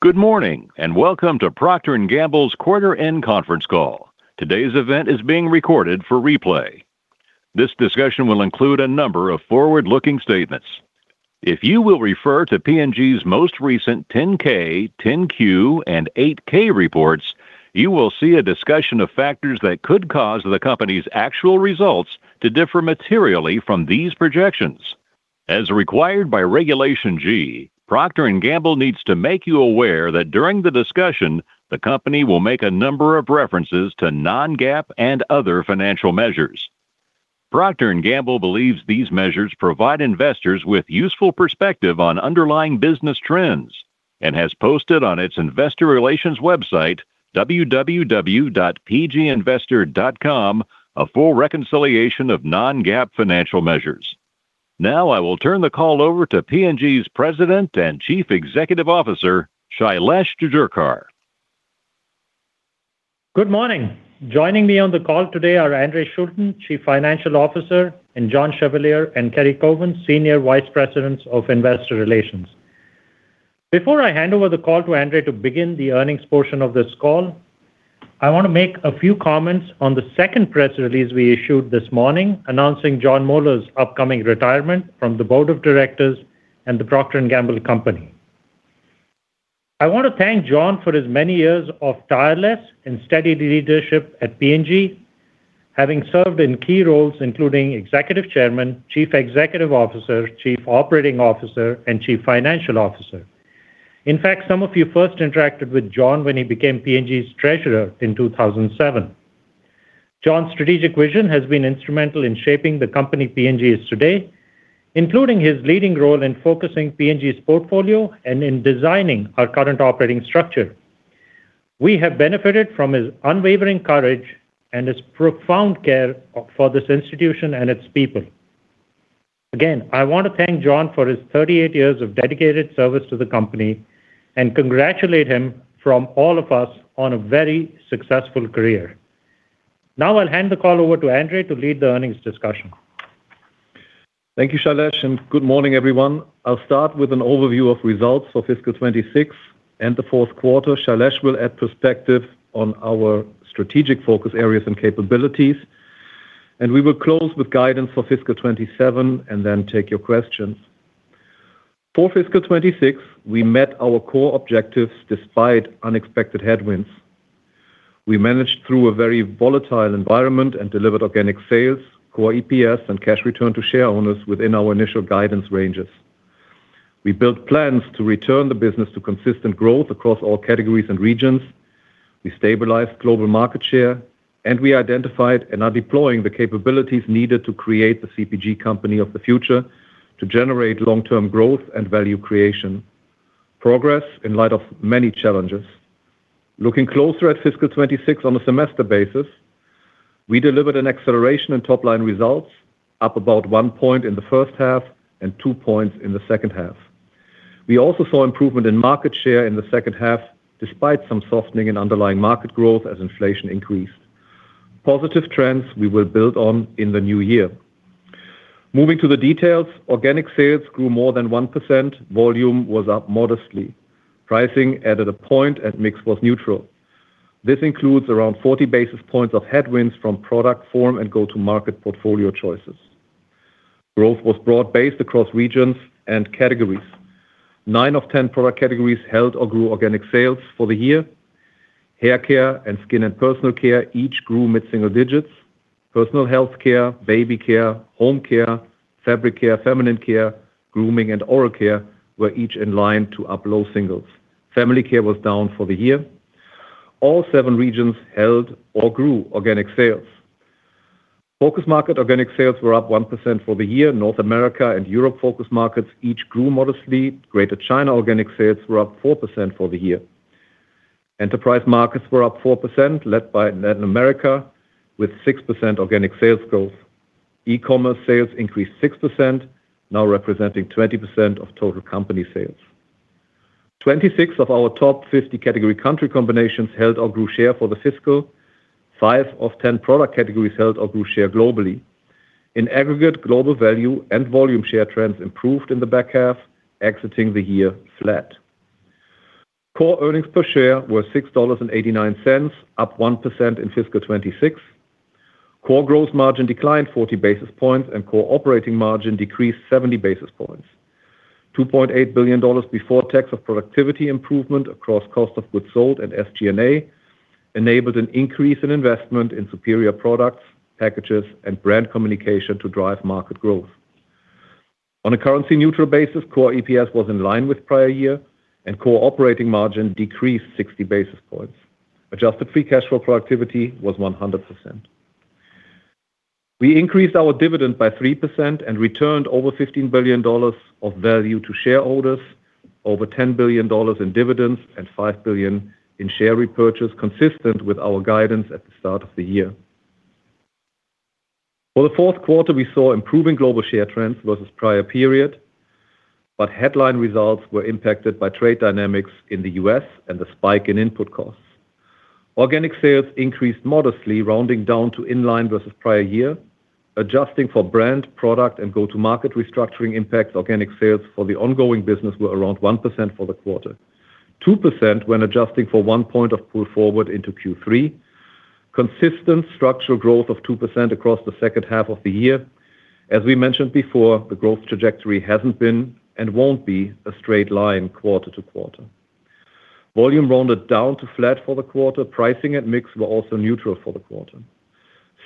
Good morning. Welcome to Procter & Gamble's quarter-end conference call. Today's event is being recorded for replay. This discussion will include a number of forward-looking statements. If you will refer to P&G's most recent 10-K, 10-Q, and 8-K reports, you will see a discussion of factors that could cause the company's actual results to differ materially from these projections. As required by Regulation G, Procter & Gamble needs to make you aware that during the discussion, the company will make a number of references to non-GAAP and other financial measures. Procter & Gamble believes these measures provide investors with useful perspective on underlying business trends, and has posted on its investor relations website, www.pginvestor.com, a full reconciliation of non-GAAP financial measures. I will turn the call over to P&G's President and Chief Executive Officer, Shailesh Jejurikar. Good morning. Joining me on the call today are Andre Schulten, Chief Financial Officer, and John Chevalier and Keri Cowan, Senior Vice Presidents of Investor Relations. Before I hand over the call to Andre to begin the earnings portion of this call, I want to make a few comments on the second press release we issued this morning announcing Jon Moeller's upcoming retirement from the Board of Directors and The Procter & Gamble Company. I want to thank Jon for his many years of tireless and steady leadership at P&G, having served in key roles including Executive Chairman, Chief Executive Officer, Chief Operating Officer, and Chief Financial Officer. In fact, some of you first interacted with Jon when he became P&G's treasurer in 2007. Jon's strategic vision has been instrumental in shaping the company P&G is today, including his leading role in focusing P&G's portfolio and in designing our current operating structure. We have benefited from his unwavering courage and his profound care for this institution and its people. Again, I want to thank Jon for his 38 years of dedicated service to the company and congratulate him from all of us on a very successful career. I'll hand the call over to Andre to lead the earnings discussion. Thank you, Shailesh. Good morning, everyone. I'll start with an overview of results for fiscal 2026 and the fourth quarter. Shailesh will add perspective on our strategic focus areas and capabilities, and we will close with guidance for fiscal 2027 and then take your questions. For fiscal 2026, we met our core objectives despite unexpected headwinds. We managed through a very volatile environment and delivered organic sales, core EPS, and cash return to shareholders within our initial guidance ranges. We built plans to return the business to consistent growth across all categories and regions. We stabilized global market share, and we identified and are deploying the capabilities needed to create the CPG company of the future to generate long-term growth and value creation. Progress in light of many challenges. Looking closer at fiscal 2026 on a semester basis, we delivered an acceleration in top-line results, up about one point in the first half and two points in the second half. We also saw improvement in market share in the second half, despite some softening in underlying market growth as inflation increased. Positive trends we will build on in the new year. Moving to the details, organic sales grew more than 1%, volume was up modestly. Pricing added a point and mix was neutral. This includes around 40 basis points of headwinds from product form and go-to-market portfolio choices. Growth was broad-based across regions and categories. Nine of 10 product categories held or grew organic sales for the year. Hair care and skin and personal care each grew mid-single digits. Personal health care, baby care, home care, fabric care, feminine care, grooming, and oral care were each in line to up low singles. Family care was down for the year. All seven regions held or grew organic sales. Focus market organic sales were up 1% for the year. North America and Europe focus markets each grew modestly. Greater China organic sales were up 4% for the year. Enterprise markets were up 4%, led by Latin America with 6% organic sales growth. E-commerce sales increased 6%, now representing 20% of total company sales. 26 of our top 50 category country combinations held or grew share for the fiscal. Five of 10 product categories held or grew share globally. In aggregate, global value and volume share trends improved in the back half, exiting the year flat. Core earnings per share were $6.89, up 1% in fiscal 2026. Core gross margin declined 40 basis points, and core operating margin decreased 70 basis points. $2.8 billion before tax of productivity improvement across cost of goods sold and SG&A enabled an increase in investment in superior products, packages, and brand communication to drive market growth. On a currency-neutral basis, core EPS was in line with prior year, and core operating margin decreased 60 basis points. Adjusted free cash flow productivity was 100%. We increased our dividend by 3% and returned over $15 billion of value to shareholders, over $10 billion in dividends and $5 billion in share repurchase, consistent with our guidance at the start of the year. For the fourth quarter, we saw improving global share trends versus prior period, but headline results were impacted by trade dynamics in the U.S. and the spike in input costs. Organic sales increased modestly, rounding down to in line versus prior year. Adjusting for brand, product, and go-to-market restructuring impacts, organic sales for the ongoing business were around 1% for the quarter. 2% when adjusting for one point of pull forward into Q3. Consistent structural growth of 2% across the second half of the year. As we mentioned before, the growth trajectory hasn't been, and won't be, a straight line quarter-to-quarter. Volume rounded down to flat for the quarter. Pricing and mix were also neutral for the quarter.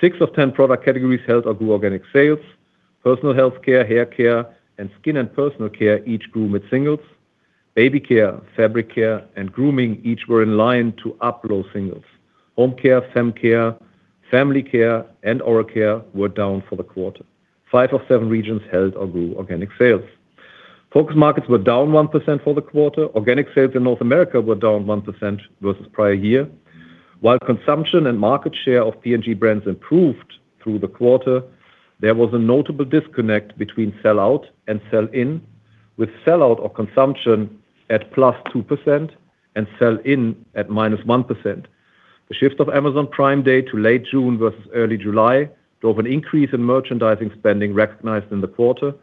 Six of 10 product categories held or grew organic sales. Personal health care, hair care, and skin and personal care each grew up low singles. Baby care, fabric care, and grooming each were in line to up low singles. Home care, fem care, family care, and oral care were down for the quarter. Five of seven regions held or grew organic sales. Focus markets were down 1% for the quarter. Organic sales in North America were down 1% versus prior year. While consumption and market share of P&G brands improved through the quarter, there was a notable disconnect between sell out and sell in, with sell out or consumption at +2% and sell in at -1%. The shift of Amazon Prime Day to late June versus early July drove an increase in merchandising spending recognized in the quarter.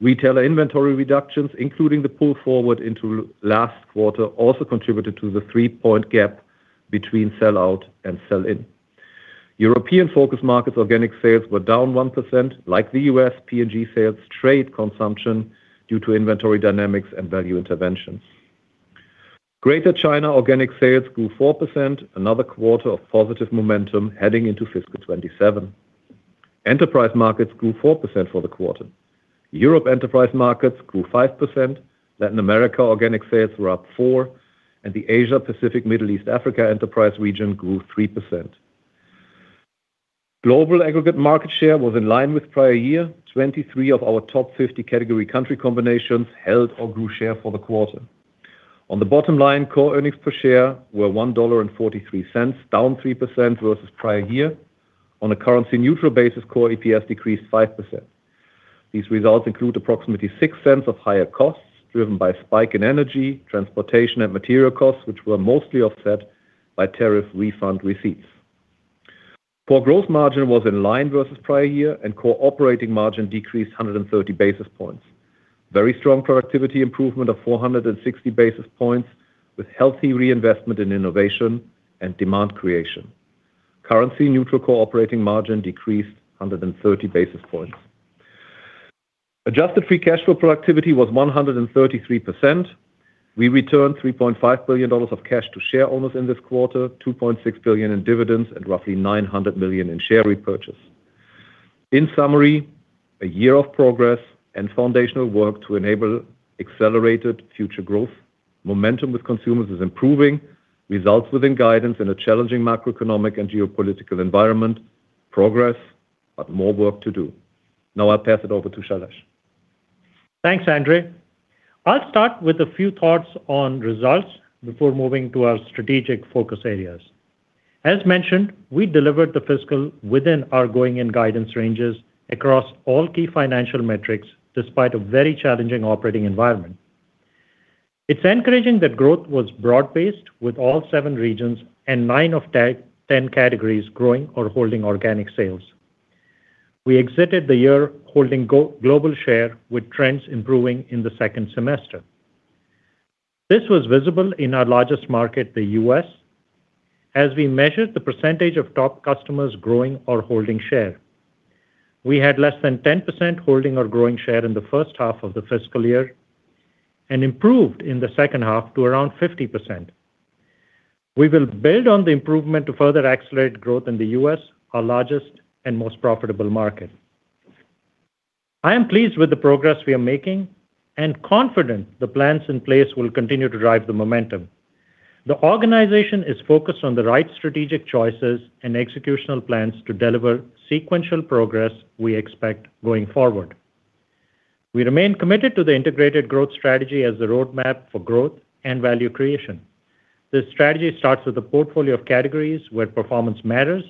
Retailer inventory reductions, including the pull forward into last quarter, also contributed to the three-point gap between sell out and sell in. European focus markets organic sales were down 1%. Like the U.S., P&G sales trade consumption due to inventory dynamics and value interventions. Greater China organic sales grew 4%, another quarter of positive momentum heading into fiscal 2027. Enterprise markets grew 4% for the quarter. Europe enterprise markets grew 5%, Latin America organic sales were up 4%, and the Asia Pacific Middle East Africa enterprise region grew 3%. Global aggregate market share was in line with prior year. 23 of our top 50 category country combinations held or grew share for the quarter. On the bottom line, core earnings per share were $1.43, down 3% versus prior year. On a currency neutral basis, core EPS decreased 5%. These results include approximately $0.06 of higher costs, driven by spike in energy, transportation, and material costs, which were mostly offset by tariff refund receipts. Core growth margin was in line versus prior year, and core operating margin decreased 130 basis points. Very strong productivity improvement of 460 basis points with healthy reinvestment in innovation and demand creation. Currency neutral core operating margin decreased 130 basis points. Adjusted free cash flow productivity was 133%. We returned $3.5 billion of cash to shareowners in this quarter, $2.6 billion in dividends, and roughly $900 million in share repurchase. In summary, a year of progress and foundational work to enable accelerated future growth. Momentum with consumers is improving. Results within guidance in a challenging macroeconomic and geopolitical environment. Progress, but more work to do. Now I'll pass it over to Shailesh. Thanks, Andre. I'll start with a few thoughts on results before moving to our strategic focus areas. As mentioned, we delivered the fiscal within our going in guidance ranges across all key financial metrics, despite a very challenging operating environment. It's encouraging that growth was broad-based with all seven regions and nine of 10 categories growing or holding organic sales. We exited the year holding global share with trends improving in the second semester. This was visible in our largest market, the U.S., as we measured the percentage of top customers growing or holding share. We had less than 10% holding or growing share in the first half of the fiscal year, and improved in the second half to around 50%. We will build on the improvement to further accelerate growth in the U.S., our largest and most profitable market. I am pleased with the progress we are making and confident the plans in place will continue to drive the momentum. The organization is focused on the right strategic choices and executional plans to deliver sequential progress we expect going forward. We remain committed to the integrated growth strategy as the roadmap for growth and value creation. This strategy starts with a portfolio of categories where performance matters.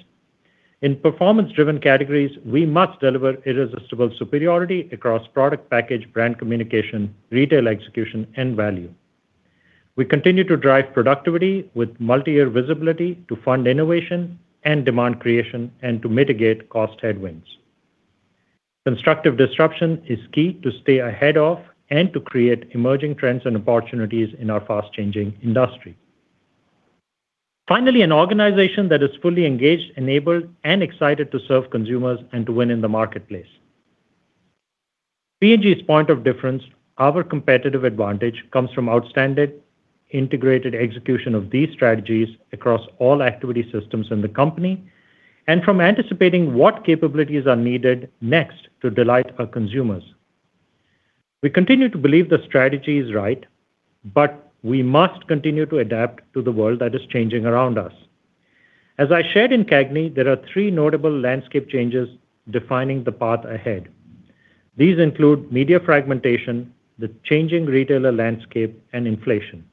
In performance-driven categories, we must deliver irresistible superiority across product package, brand communication, retail execution, and value. We continue to drive productivity with multi-year visibility to fund innovation and demand creation, and to mitigate cost headwinds. Constructive disruption is key to stay ahead of and to create emerging trends and opportunities in our fast-changing industry. Finally, an organization that is fully engaged, enabled, and excited to serve consumers and to win in the marketplace. P&G's point of difference, our competitive advantage, comes from outstanding integrated execution of these strategies across all activity systems in the company, and from anticipating what capabilities are needed next to delight our consumers. We continue to believe the strategy is right, but we must continue to adapt to the world that is changing around us. As I shared in CAGNY, there are three notable landscape changes defining the path ahead. These include media fragmentation, the changing retailer landscape, and inflation.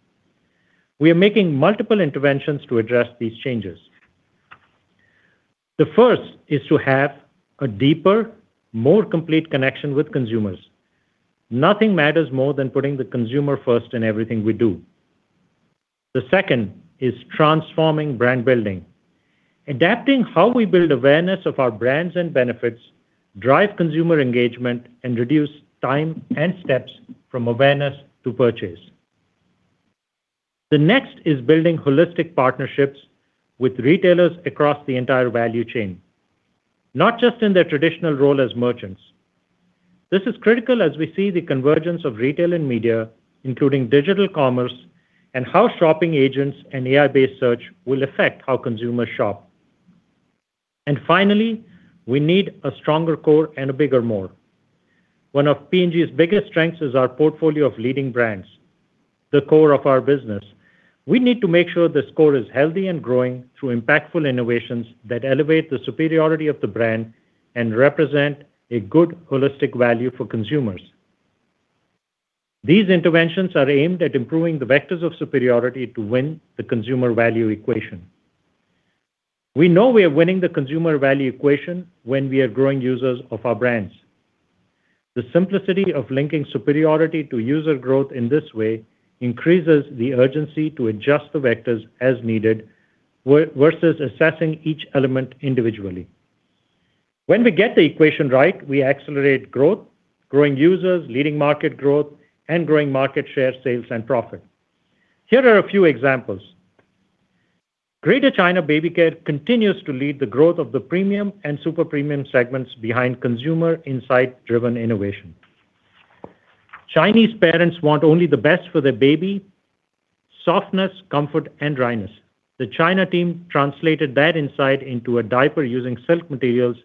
We are making multiple interventions to address these changes. The first is to have a deeper, more complete connection with consumers. Nothing matters more than putting the consumer first in everything we do. The second is transforming brand building, adapting how we build awareness of our brands and benefits, drive consumer engagement, and reduce time and steps from awareness to purchase. The next is building holistic partnerships with retailers across the entire value chain, not just in their traditional role as merchants. This is critical as we see the convergence of retail and media, including digital commerce, and how shopping agents and AI-based search will affect how consumers shop. Finally, we need a stronger core and a bigger more. One of P&G's biggest strengths is our portfolio of leading brands, the core of our business. We need to make sure this core is healthy and growing through impactful innovations that elevate the superiority of the brand and represent a good holistic value for consumers. These interventions are aimed at improving the vectors of superiority to win the consumer value equation. We know we are winning the consumer value equation when we are growing users of our brands. The simplicity of linking superiority to user growth in this way increases the urgency to adjust the vectors as needed, versus assessing each element individually. When we get the equation right, we accelerate growth, growing users, leading market growth, and growing market share, sales, and profit. Here are a few examples. Greater China Baby Care continues to lead the growth of the premium and super-premium segments behind consumer insight-driven innovation. Chinese parents want only the best for their baby: softness, comfort, and dryness. The China team translated that insight into a diaper using silk materials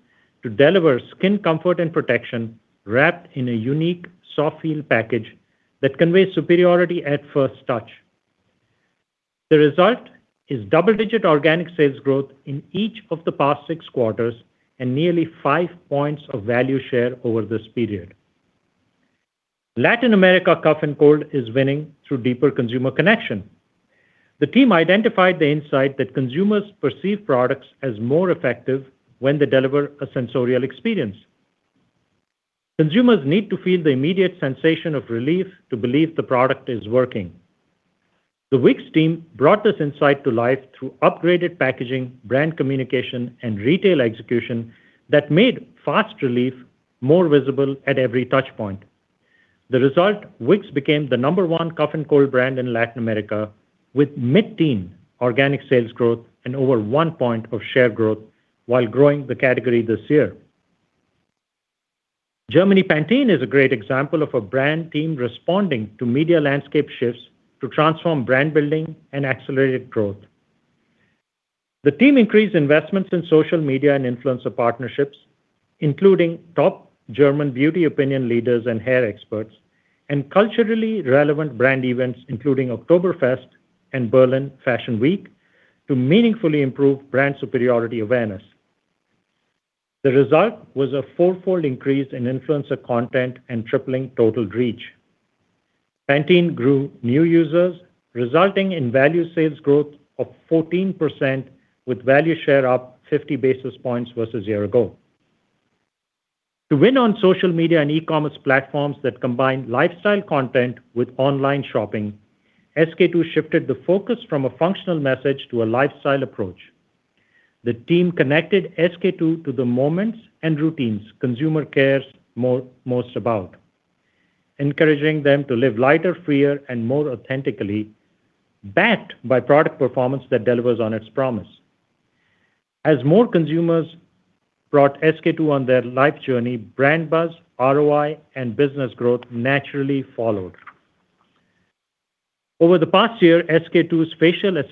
to deliver skin comfort and protection, wrapped in a unique soft feel package that conveys superiority at first touch. The result is double-digit organic sales growth in each of the past six quarters and nearly five points of value share over this period. Latin America Cough & Cold is winning through deeper consumer connection. The team identified the insight that consumers perceive products as more effective when they deliver a sensorial experience. Consumers need to feel the immediate sensation of relief to believe the product is working. The Vicks team brought this insight to life through upgraded packaging, brand communication, and retail execution that made fast relief more visible at every touchpoint. The result, Vicks became the number one cough and cold brand in Latin America with mid-teen organic sales growth and over one point of share growth while growing the category this year. Germany Pantene is a great example of a brand team responding to media landscape shifts to transform brand building and accelerated growth. The team increased investments in social media and influencer partnerships, including top German beauty opinion leaders and hair experts, and culturally relevant brand events, including Oktoberfest and Berlin Fashion Week, to meaningfully improve brand superiority awareness. The result was a four-fold increase in influencer content and tripling total reach. Pantene grew new users, resulting in value sales growth of 14% with value share up 50 basis points versus a year ago. To win on social media and e-commerce platforms that combine lifestyle content with online shopping, SK-II shifted the focus from a functional message to a lifestyle approach. The team connected SK-II to the moments and routines consumer cares most about, encouraging them to live lighter, freer, and more authentically, backed by product performance that delivers on its promise. As more consumers brought SK-II on their life journey, brand buzz, ROI, and business growth naturally followed. Over the past year, SK-II's Facial Treatment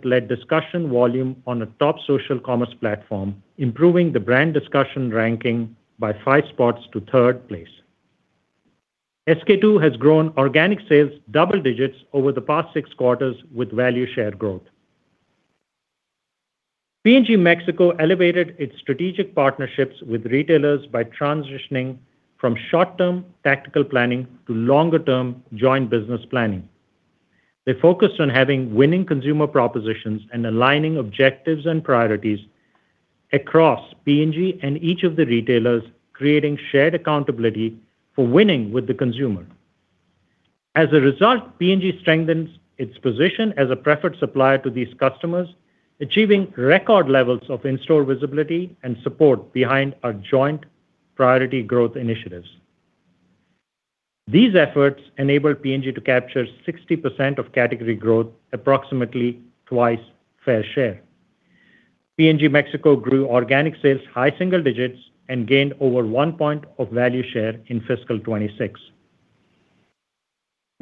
Essence led discussion volume on a top social commerce platform, improving the brand discussion ranking by five spots to third place. SK-II has grown organic sales double digits over the past six quarters with value share growth. P&G Mexico elevated its strategic partnerships with retailers by transitioning from short-term tactical planning to longer-term joint business planning. They focused on having winning consumer propositions and aligning objectives and priorities across P&G and each of the retailers, creating shared accountability for winning with the consumer. As a result, P&G strengthens its position as a preferred supplier to these customers, achieving record levels of in-store visibility and support behind our joint priority growth initiatives. These efforts enabled P&G to capture 60% of category growth, approximately twice fair share. P&G Mexico grew organic sales high single digits and gained over one point of value share in fiscal 2026.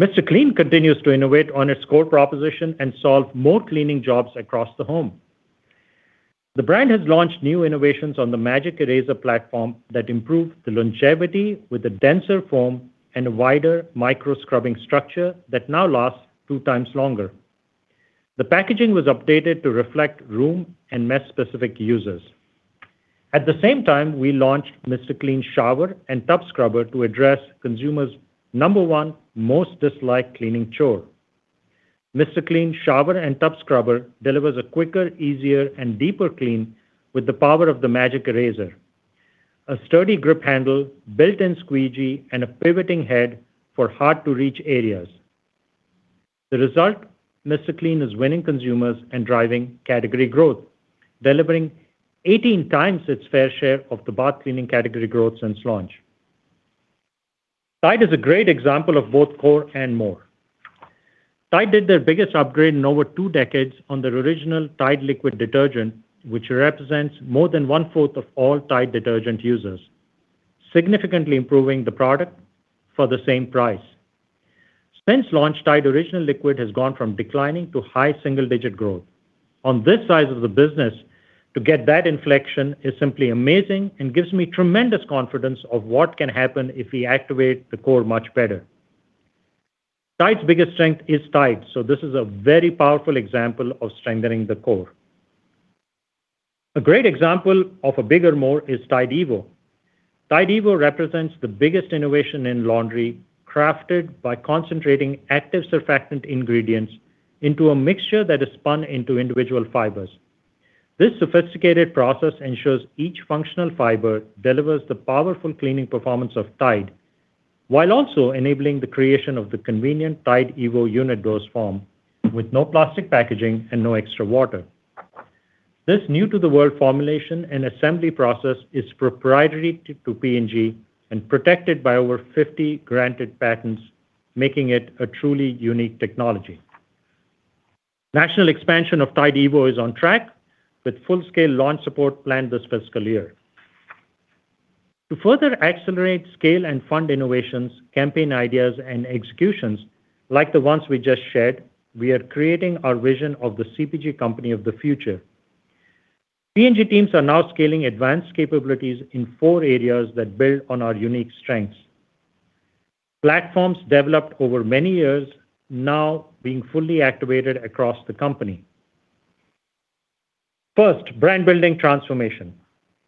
Mr. Clean continues to innovate on its core proposition and solve more cleaning jobs across the home. The brand has launched new innovations on the Magic Eraser platform that improve the longevity with a denser foam and a wider micro-scrubbing structure that now lasts two times longer. The packaging was updated to reflect room and mess-specific users. At the same time, we launched Mr. Clean Shower and Tub Scrubber to address consumers' number one most disliked cleaning chore. Mr. Clean Shower and Tub Scrubber delivers a quicker, easier, and deeper clean with the power of the Magic Eraser. A sturdy grip handle, built-in squeegee, and a pivoting head for hard-to-reach areas. The result, Mr. Clean is winning consumers and driving category growth, delivering 18 times its fair share of the bath cleaning category growth since launch. Tide is a great example of both core and more. Tide did their biggest upgrade in over two decades on the original Tide liquid detergent, which represents more than one-fourth of all Tide detergent users, significantly improving the product for the same price. Since launch, Tide original liquid has gone from declining to high single-digit growth. On this side of the business, to get that inflection is simply amazing and gives me tremendous confidence of what can happen if we activate the core much better. Tide's biggest strength is Tide, this is a very powerful example of strengthening the core. A great example of a bigger more is Tide Evo. Tide Evo represents the biggest innovation in laundry, crafted by concentrating active surfactant ingredients into a mixture that is spun into individual fibers. This sophisticated process ensures each functional fiber delivers the powerful cleaning performance of Tide while also enabling the creation of the convenient Tide Evo unit dose form with no plastic packaging and no extra water. This new-to-the-world formulation and assembly process is proprietary to P&G and protected by over 50 granted patents, making it a truly unique technology. National expansion of Tide Evo is on track, with full-scale launch support planned this fiscal year. To further accelerate, scale, and fund innovations, campaign ideas, and executions like the ones we just shared, we are creating our vision of the CPG company of the future. P&G teams are now scaling advanced capabilities in four areas that build on our unique strengths. Platforms developed over many years now being fully activated across the company. First, brand-building transformation.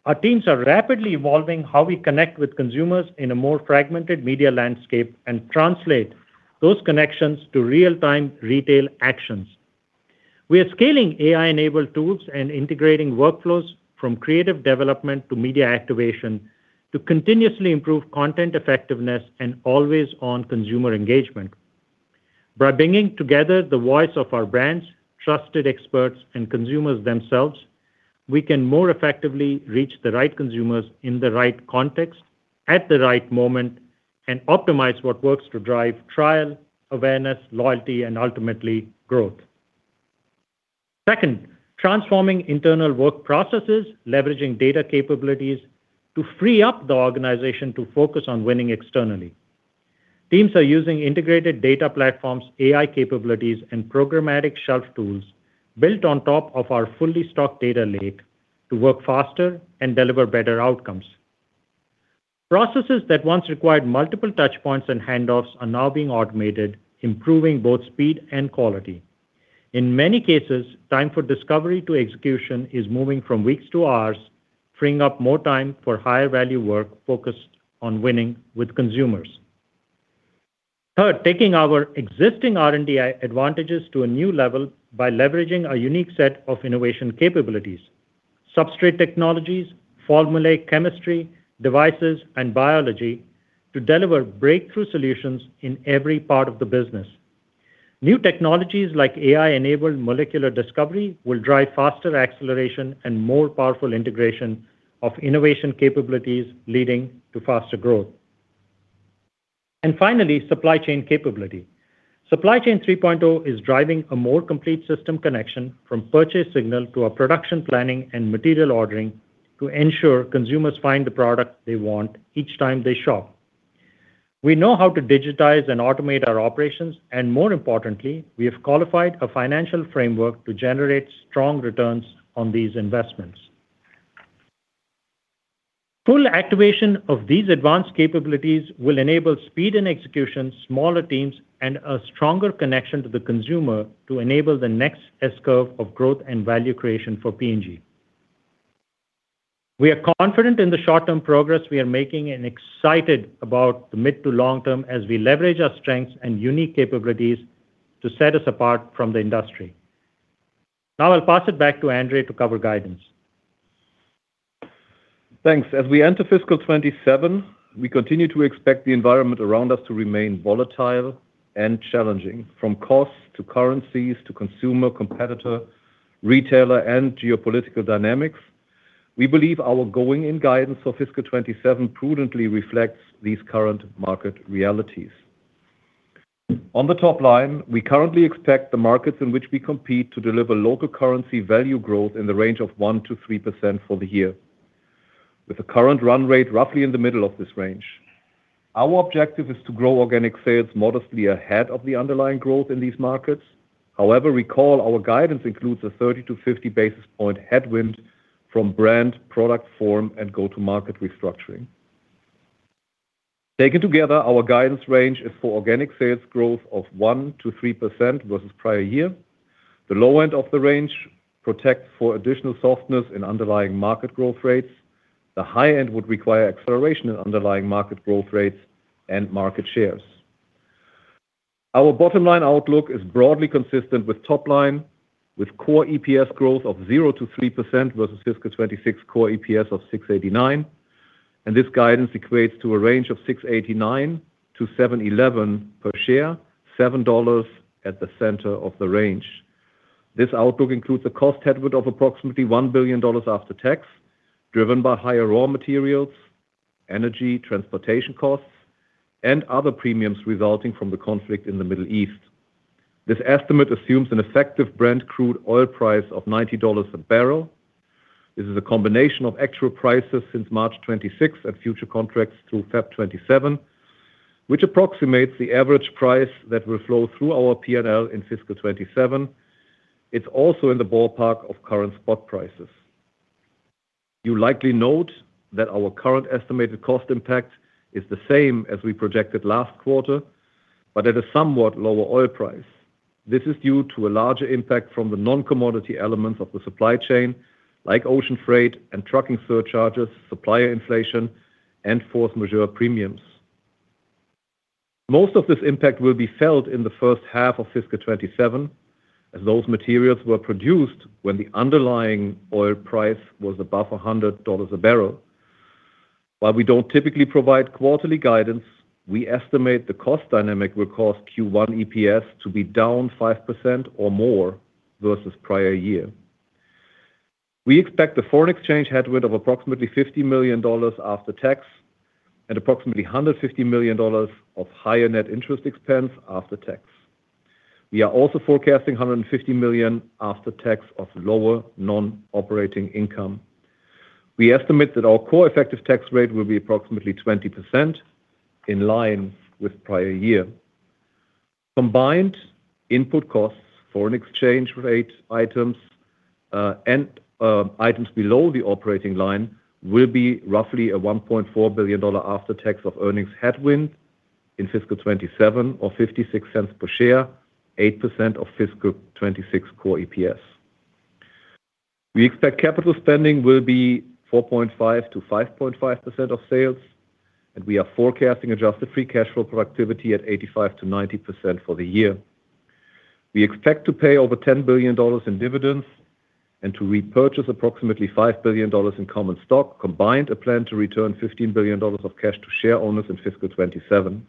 Our teams are rapidly evolving how we connect with consumers in a more fragmented media landscape and translate those connections to real-time retail actions. We are scaling AI-enabled tools and integrating workflows from creative development to media activation to continuously improve content effectiveness and always-on consumer engagement. By bringing together the voice of our brands, trusted experts, and consumers themselves, we can more effectively reach the right consumers in the right context at the right moment and optimize what works to drive trial, awareness, loyalty, and ultimately, growth. Second, transforming internal work processes, leveraging data capabilities to free up the organization to focus on winning externally. Teams are using integrated data platforms, AI capabilities, and programmatic shelf tools built on top of our fully stocked data lake to work faster and deliver better outcomes. Processes that once required multiple touch points and handoffs are now being automated, improving both speed and quality. In many cases, time for discovery to execution is moving from weeks to hours, freeing up more time for higher-value work focused on winning with consumers. Third, taking our existing R&D advantages to a new level by leveraging our unique set of innovation capabilities, substrate technologies, formulate chemistry, devices, and biology to deliver breakthrough solutions in every part of the business. New technologies like AI-enabled molecular discovery will drive faster acceleration and more powerful integration of innovation capabilities, leading to faster growth. Finally, supply chain capability. Supply Chain 3.0 is driving a more complete system connection from purchase signal to our production planning and material ordering to ensure consumers find the product they want each time they shop. We know how to digitize and automate our operations. More importantly, we have qualified a financial framework to generate strong returns on these investments. Full activation of these advanced capabilities will enable speed in execution, smaller teams, and a stronger connection to the consumer to enable the next S-curve of growth and value creation for P&G. We are confident in the short-term progress we are making and excited about the mid to long term as we leverage our strengths and unique capabilities to set us apart from the industry. I'll pass it back to Andre to cover guidance. Thanks. As we enter fiscal 2027, we continue to expect the environment around us to remain volatile and challenging, from costs to currencies to consumer, competitor, retailer, and geopolitical dynamics. We believe our going and guidance for fiscal 2027 prudently reflects these current market realities. On the top line, we currently expect the markets in which we compete to deliver local currency value growth in the range of 1%-3% for the year, with the current run rate roughly in the middle of this range. Our objective is to grow organic sales modestly ahead of the underlying growth in these markets. Recall our guidance includes a 30-50 basis point headwind from brand, product form, and go-to-market restructuring. Taken together, our guidance range is for organic sales growth of 1%-3% versus prior year. The low end of the range protects for additional softness in underlying market growth rates. The high end would require acceleration in underlying market growth rates and market shares. Our bottom-line outlook is broadly consistent with top line, with core EPS growth of 0%-3% versus fiscal 2026 core EPS of $6.89. This guidance equates to a range of $6.89-$7.11 per share, $7 at the center of the range. This outlook includes a cost headwind of approximately $1 billion after tax, driven by higher raw materials, energy transportation costs, and other premiums resulting from the conflict in the Middle East. This estimate assumes an effective Brent crude oil price of $90 a bbl. This is a combination of actual prices since March 2026 and future contracts through February 2027, which approximates the average price that will flow through our P&L in fiscal 2027. It's also in the ballpark of current spot prices. You likely note that our current estimated cost impact is the same as we projected last quarter, but at a somewhat lower oil price. This is due to a larger impact from the non-commodity elements of the supply chain, like ocean freight and trucking surcharges, supplier inflation, and force majeure premiums. Most of this impact will be felt in the first half of fiscal 2027, as those materials were produced when the underlying oil price was above $100 a bbl. While we don't typically provide quarterly guidance, we estimate the cost dynamic will cause Q1 EPS to be down 5% or more versus prior year. We expect a foreign exchange headwind of approximately $50 million after tax and approximately $150 million of higher net interest expense after tax. We are also forecasting $150 million after tax of lower non-operating income. We estimate that our core effective tax rate will be approximately 20%, in line with prior year. Combined input costs, foreign exchange rate items, and items below the operating line will be roughly a $1.4 billion after tax of earnings headwind in fiscal 2027 or $0.56 per share, 8% of fiscal 2026 core EPS. We expect capital spending will be 4.5%-5.5% of sales, and we are forecasting adjusted free cash flow productivity at 85%-90% for the year. We expect to pay over $10 billion in dividends and to repurchase approximately $5 billion in common stock, combined a plan to return $15 billion of cash to share owners in fiscal 2027.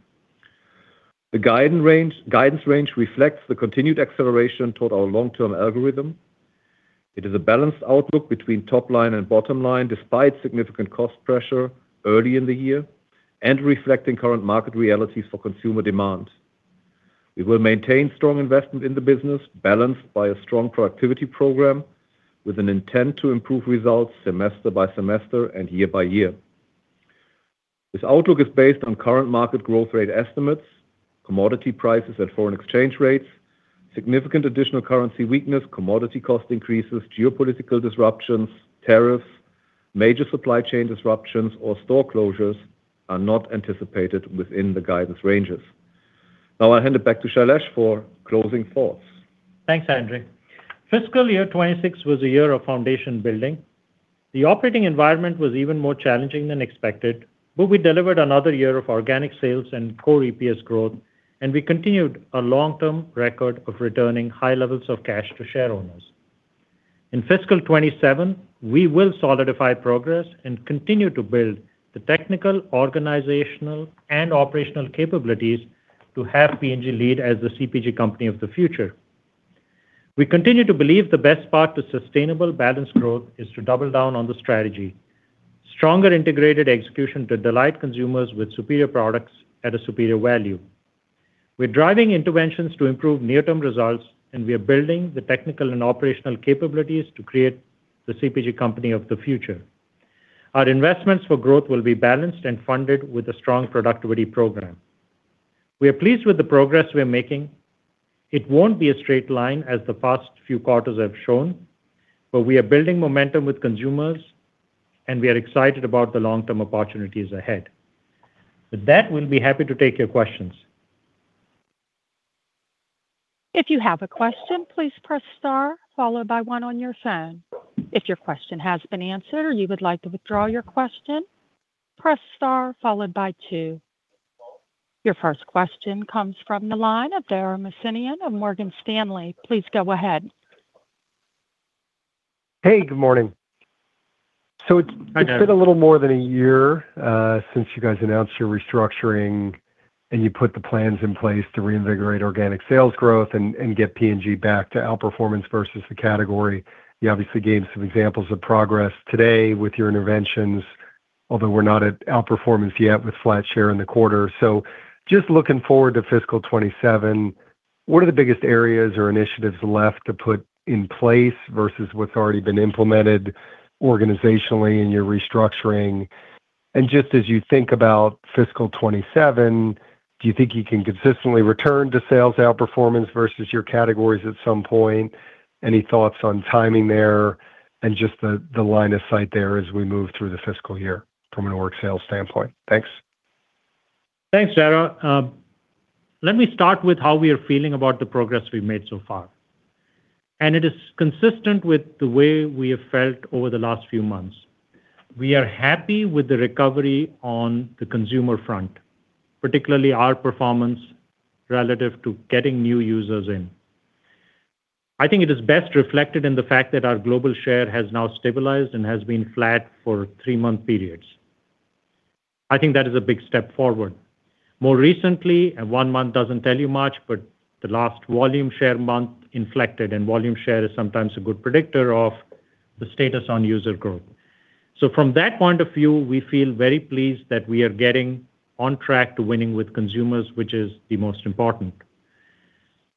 The guidance range reflects the continued acceleration toward our long-term algorithm. It is a balanced outlook between top line and bottom line, despite significant cost pressure early in the year and reflecting current market realities for consumer demand. We will maintain strong investment in the business, balanced by a strong productivity program with an intent to improve results semester by semester and year by year. This outlook is based on current market growth rate estimates, commodity prices at foreign exchange rates. Significant additional currency weakness, commodity cost increases, geopolitical disruptions, tariffs, major supply chain disruptions, or store closures are not anticipated within the guidance ranges. I'll hand it back to Shailesh for closing thoughts. Thanks, Andre. Fiscal year 2026 was a year of foundation building. The operating environment was even more challenging than expected, but we delivered another year of organic sales and core EPS growth, and we continued a long-term record of returning high levels of cash to share owners. In fiscal 2027, we will solidify progress and continue to build the technical, organizational, and operational capabilities to have P&G lead as the CPG company of the future. We continue to believe the best path to sustainable, balanced growth is to double down on the strategy. Stronger integrated execution to delight consumers with superior products at a superior value. We're driving interventions to improve near-term results, and we are building the technical and operational capabilities to create the CPG company of the future. Our investments for growth will be balanced and funded with a strong productivity program. We are pleased with the progress we are making. It won't be a straight line, as the past few quarters have shown, but we are building momentum with consumers, and we are excited about the long-term opportunities ahead. With that, we'll be happy to take your questions. If you have a question, please press star followed by one on your phone. If your question has been answered or you would like to withdraw your question, press star followed by two. Your first question comes from the line of Dara Mohsenian of Morgan Stanley. Please go ahead. Hey, good morning. Hi, Dara. It's been a little more than a year since you guys announced your restructuring, and you put the plans in place to reinvigorate organic sales growth and get P&G back to outperformance versus the category. You obviously gave some examples of progress today with your interventions, although we're not at outperformance yet with flat share in the quarter. Just looking forward to fiscal 2027, what are the biggest areas or initiatives left to put in place versus what's already been implemented organizationally in your restructuring? Just as you think about fiscal 2027, do you think you can consistently return to sales outperformance versus your categories at some point? Any thoughts on timing there and just the line of sight there as we move through the fiscal year from an org sales standpoint? Thanks. Thanks, Dara. Let me start with how we are feeling about the progress we've made so far. It is consistent with the way we have felt over the last few months. We are happy with the recovery on the consumer front, particularly our performance relative to getting new users in. I think it is best reflected in the fact that our global share has now stabilized and has been flat for three-month periods. I think that is a big step forward. More recently, one month doesn't tell you much, but the last volume share month inflected, and volume share is sometimes a good predictor of the status on user growth. From that point of view, we feel very pleased that we are getting on track to winning with consumers, which is the most important.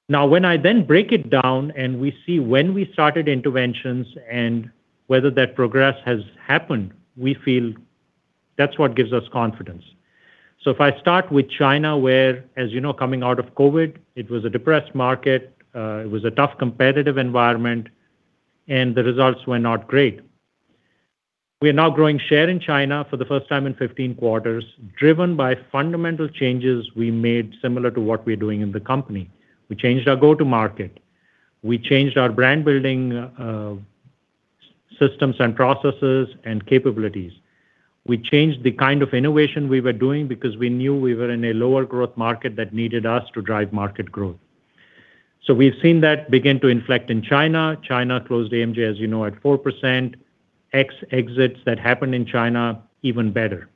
When I then break it down and we see when we started interventions and whether that progress has happened, we feel that's what gives us confidence. If I start with China, where, as you know, coming out of COVID, it was a depressed market, it was a tough competitive environment, and the results were not great. We are now growing share in China for the first time in 15 quarters, driven by fundamental changes we made similar to what we're doing in the company. We changed our go-to market. We changed our brand-building systems and processes and capabilities. We changed the kind of innovation we were doing because we knew we were in a lower growth market that needed us to drive market growth. We've seen that begin to inflect in China. China closed AMJ, as you know, at 4%. Ex exits that happened in China, even better.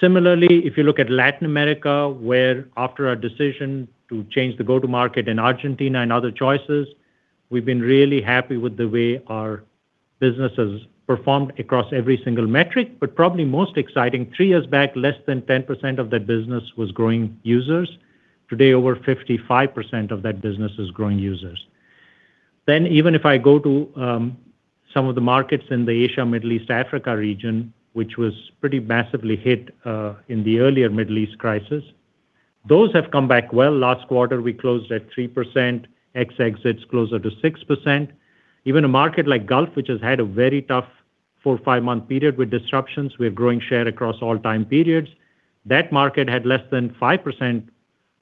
Similarly, if you look at Latin America, where after our decision to change the go-to market in Argentina and other choices, we've been really happy with the way our business has performed across every single metric. Probably most exciting, three years back, less than 10% of that business was growing users. Today, over 55% of that business is growing users. Even if I go to some of the markets in the Asia, Middle East, Africa region, which was pretty massively hit in the earlier Middle East crisis, those have come back well. Last quarter, we closed at 3%, ex exits closer to 6%. Even a market like Gulf, which has had a very tough four, five-month period with disruptions, we are growing share across all time periods. That market had less than 5%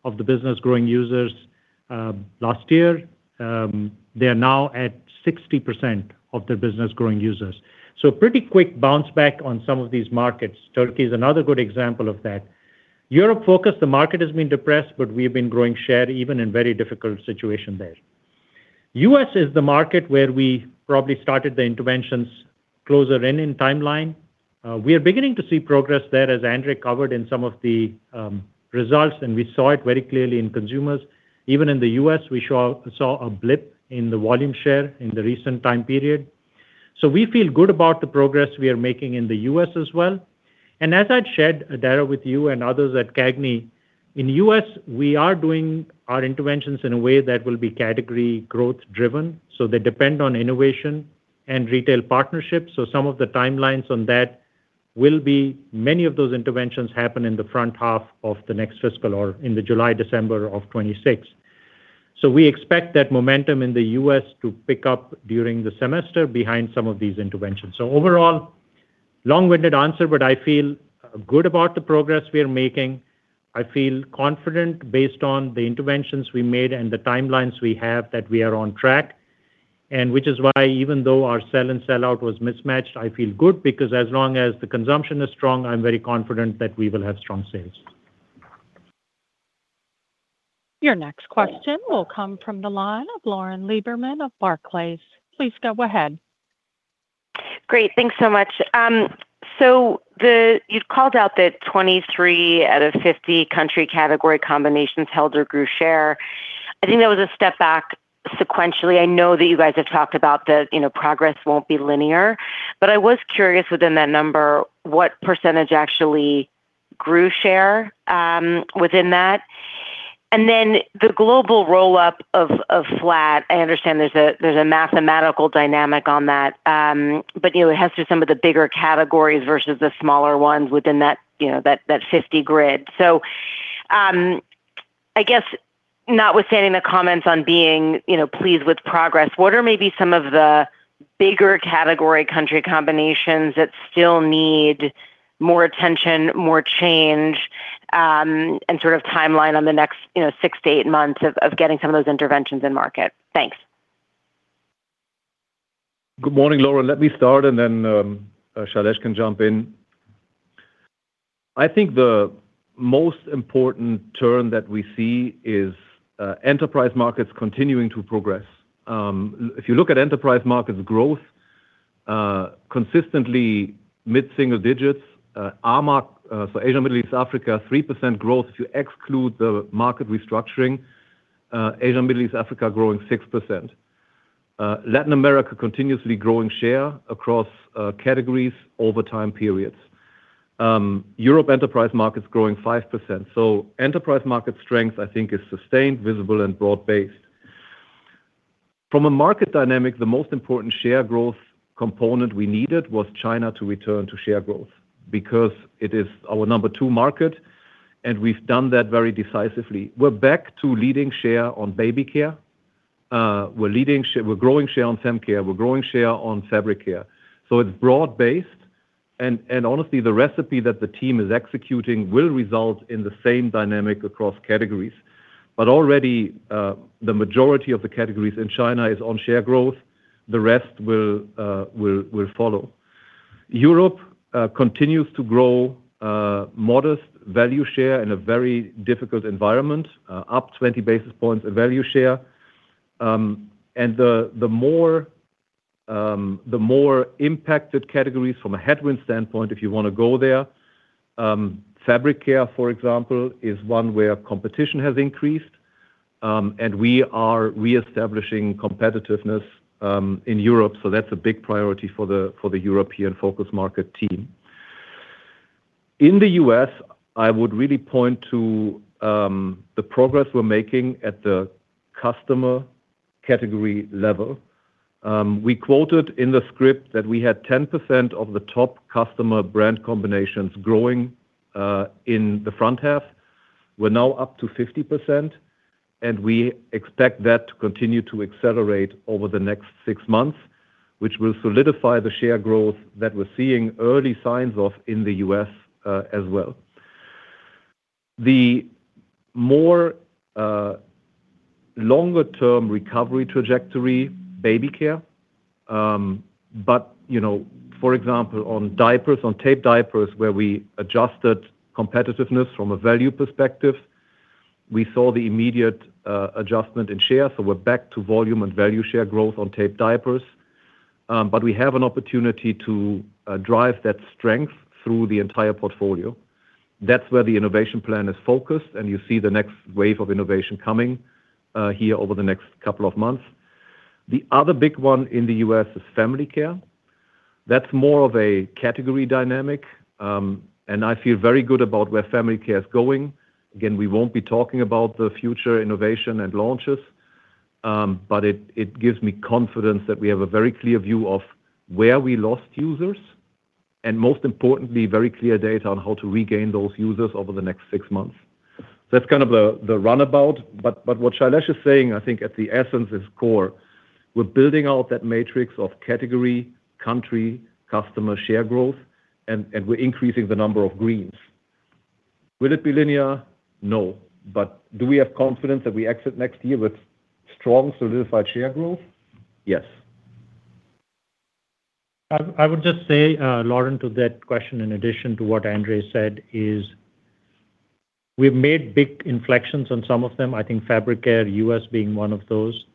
of the business growing users last year. They are now at 60% of their business growing users. Pretty quick bounce back on some of these markets. Turkey is another good example of that. Europe focus, the market has been depressed, but we've been growing share even in very difficult situation there. U.S. is the market where we probably started the interventions closer in timeline. We are beginning to see progress there as Andre covered in some of the results, and we saw it very clearly in consumers. Even in the U.S., we saw a blip in the volume share in the recent time period. We feel good about the progress we are making in the U.S. as well. As I'd shared, Dara, with you and others at CAGNY, in the U.S., we are doing our interventions in a way that will be category growth driven. They depend on innovation and retail partnerships. Some of the timelines on that will be, many of those interventions happen in the front half of the next fiscal or in the July, December of 2026. We expect that momentum in the U.S. to pick up during the semester behind some of these interventions. Overall, long-winded answer, but I feel good about the progress we are making. I feel confident based on the interventions we made and the timelines we have that we are on track, and which is why even though our sell and sellout was mismatched, I feel good because as long as the consumption is strong, I'm very confident that we will have strong sales. Your next question will come from the line of Lauren Lieberman of Barclays. Please go ahead. Great. Thanks so much. You've called out that 23 out of 50 country category combinations held or grew share. I think that was a step back sequentially. I know that you guys have talked about the progress won't be linear, but I was curious within that number, what percentage actually grew share within that? The global roll-up of flat, I understand there's a mathematical dynamic on that, but it has to do with some of the bigger categories versus the smaller ones within that 50 grid. I guess notwithstanding the comments on being pleased with progress, what are maybe some of the bigger category country combinations that still need more attention, more change, and timeline on the next six to eight months of getting some of those interventions in market? Thanks. Good morning, Lauren. Let me start and then Shailesh can jump in. I think the most important turn that we see is enterprise markets continuing to progress. If you look at enterprise markets growth, consistently mid-single digits. AMA, Asia, Middle East, Africa, 3% growth if you exclude the market restructuring. Asia, Middle East, Africa growing 6%. Latin America continuously growing share across categories over time periods. Europe enterprise markets growing 5%. Enterprise market strength, I think, is sustained, visible, and broad-based. From a market dynamic, the most important share growth component we needed was China to return to share growth because it is our number two market, and we've done that very decisively. We're back to leading share on baby care. We're growing share on home care. We're growing share on fabric care. It's broad-based, and honestly, the recipe that the team is executing will result in the same dynamic across categories. Already, the majority of the categories in China is on share growth. The rest will follow. Europe continues to grow modest value share in a very difficult environment, up 20 basis points of value share. The more impacted categories from a headwind standpoint, if you want to go there, fabric care, for example, is one where competition has increased, and we are reestablishing competitiveness in Europe, so that's a big priority for the European focus market team. In the U.S., I would really point to the progress we're making at the customer category level. We quoted in the script that we had 10% of the top customer brand combinations growing in the front half. We're now up to 50%, and we expect that to continue to accelerate over the next six months, which will solidify the share growth that we're seeing early signs of in the U.S. as well. The more longer-term recovery trajectory, baby care. For example, on diapers, on tape diapers, where we adjusted competitiveness from a value perspective, we saw the immediate adjustment in share. We're back to volume and value share growth on tape diapers. We have an opportunity to drive that strength through the entire portfolio. That's where the innovation plan is focused, and you see the next wave of innovation coming here over the next couple of months. The other big one in the U.S. is family care. That's more of a category dynamic. I feel very good about where family care is going. Again, we won't be talking about the future innovation and launches, but it gives me confidence that we have a very clear view of where we lost users, and most importantly, very clear data on how to regain those users over the next six months. That's kind of the runabout, but what Shailesh is saying, I think at the essence, its core, we're building out that matrix of category, country, customer share growth, and we're increasing the number of greens. Will it be linear? No. Do we have confidence that we exit next year with strong, solidified share growth? Yes. I would just say, Lauren, to that question, in addition to what Andre said, is we've made big inflections on some of them, I think fabric care, U.S. being one of those,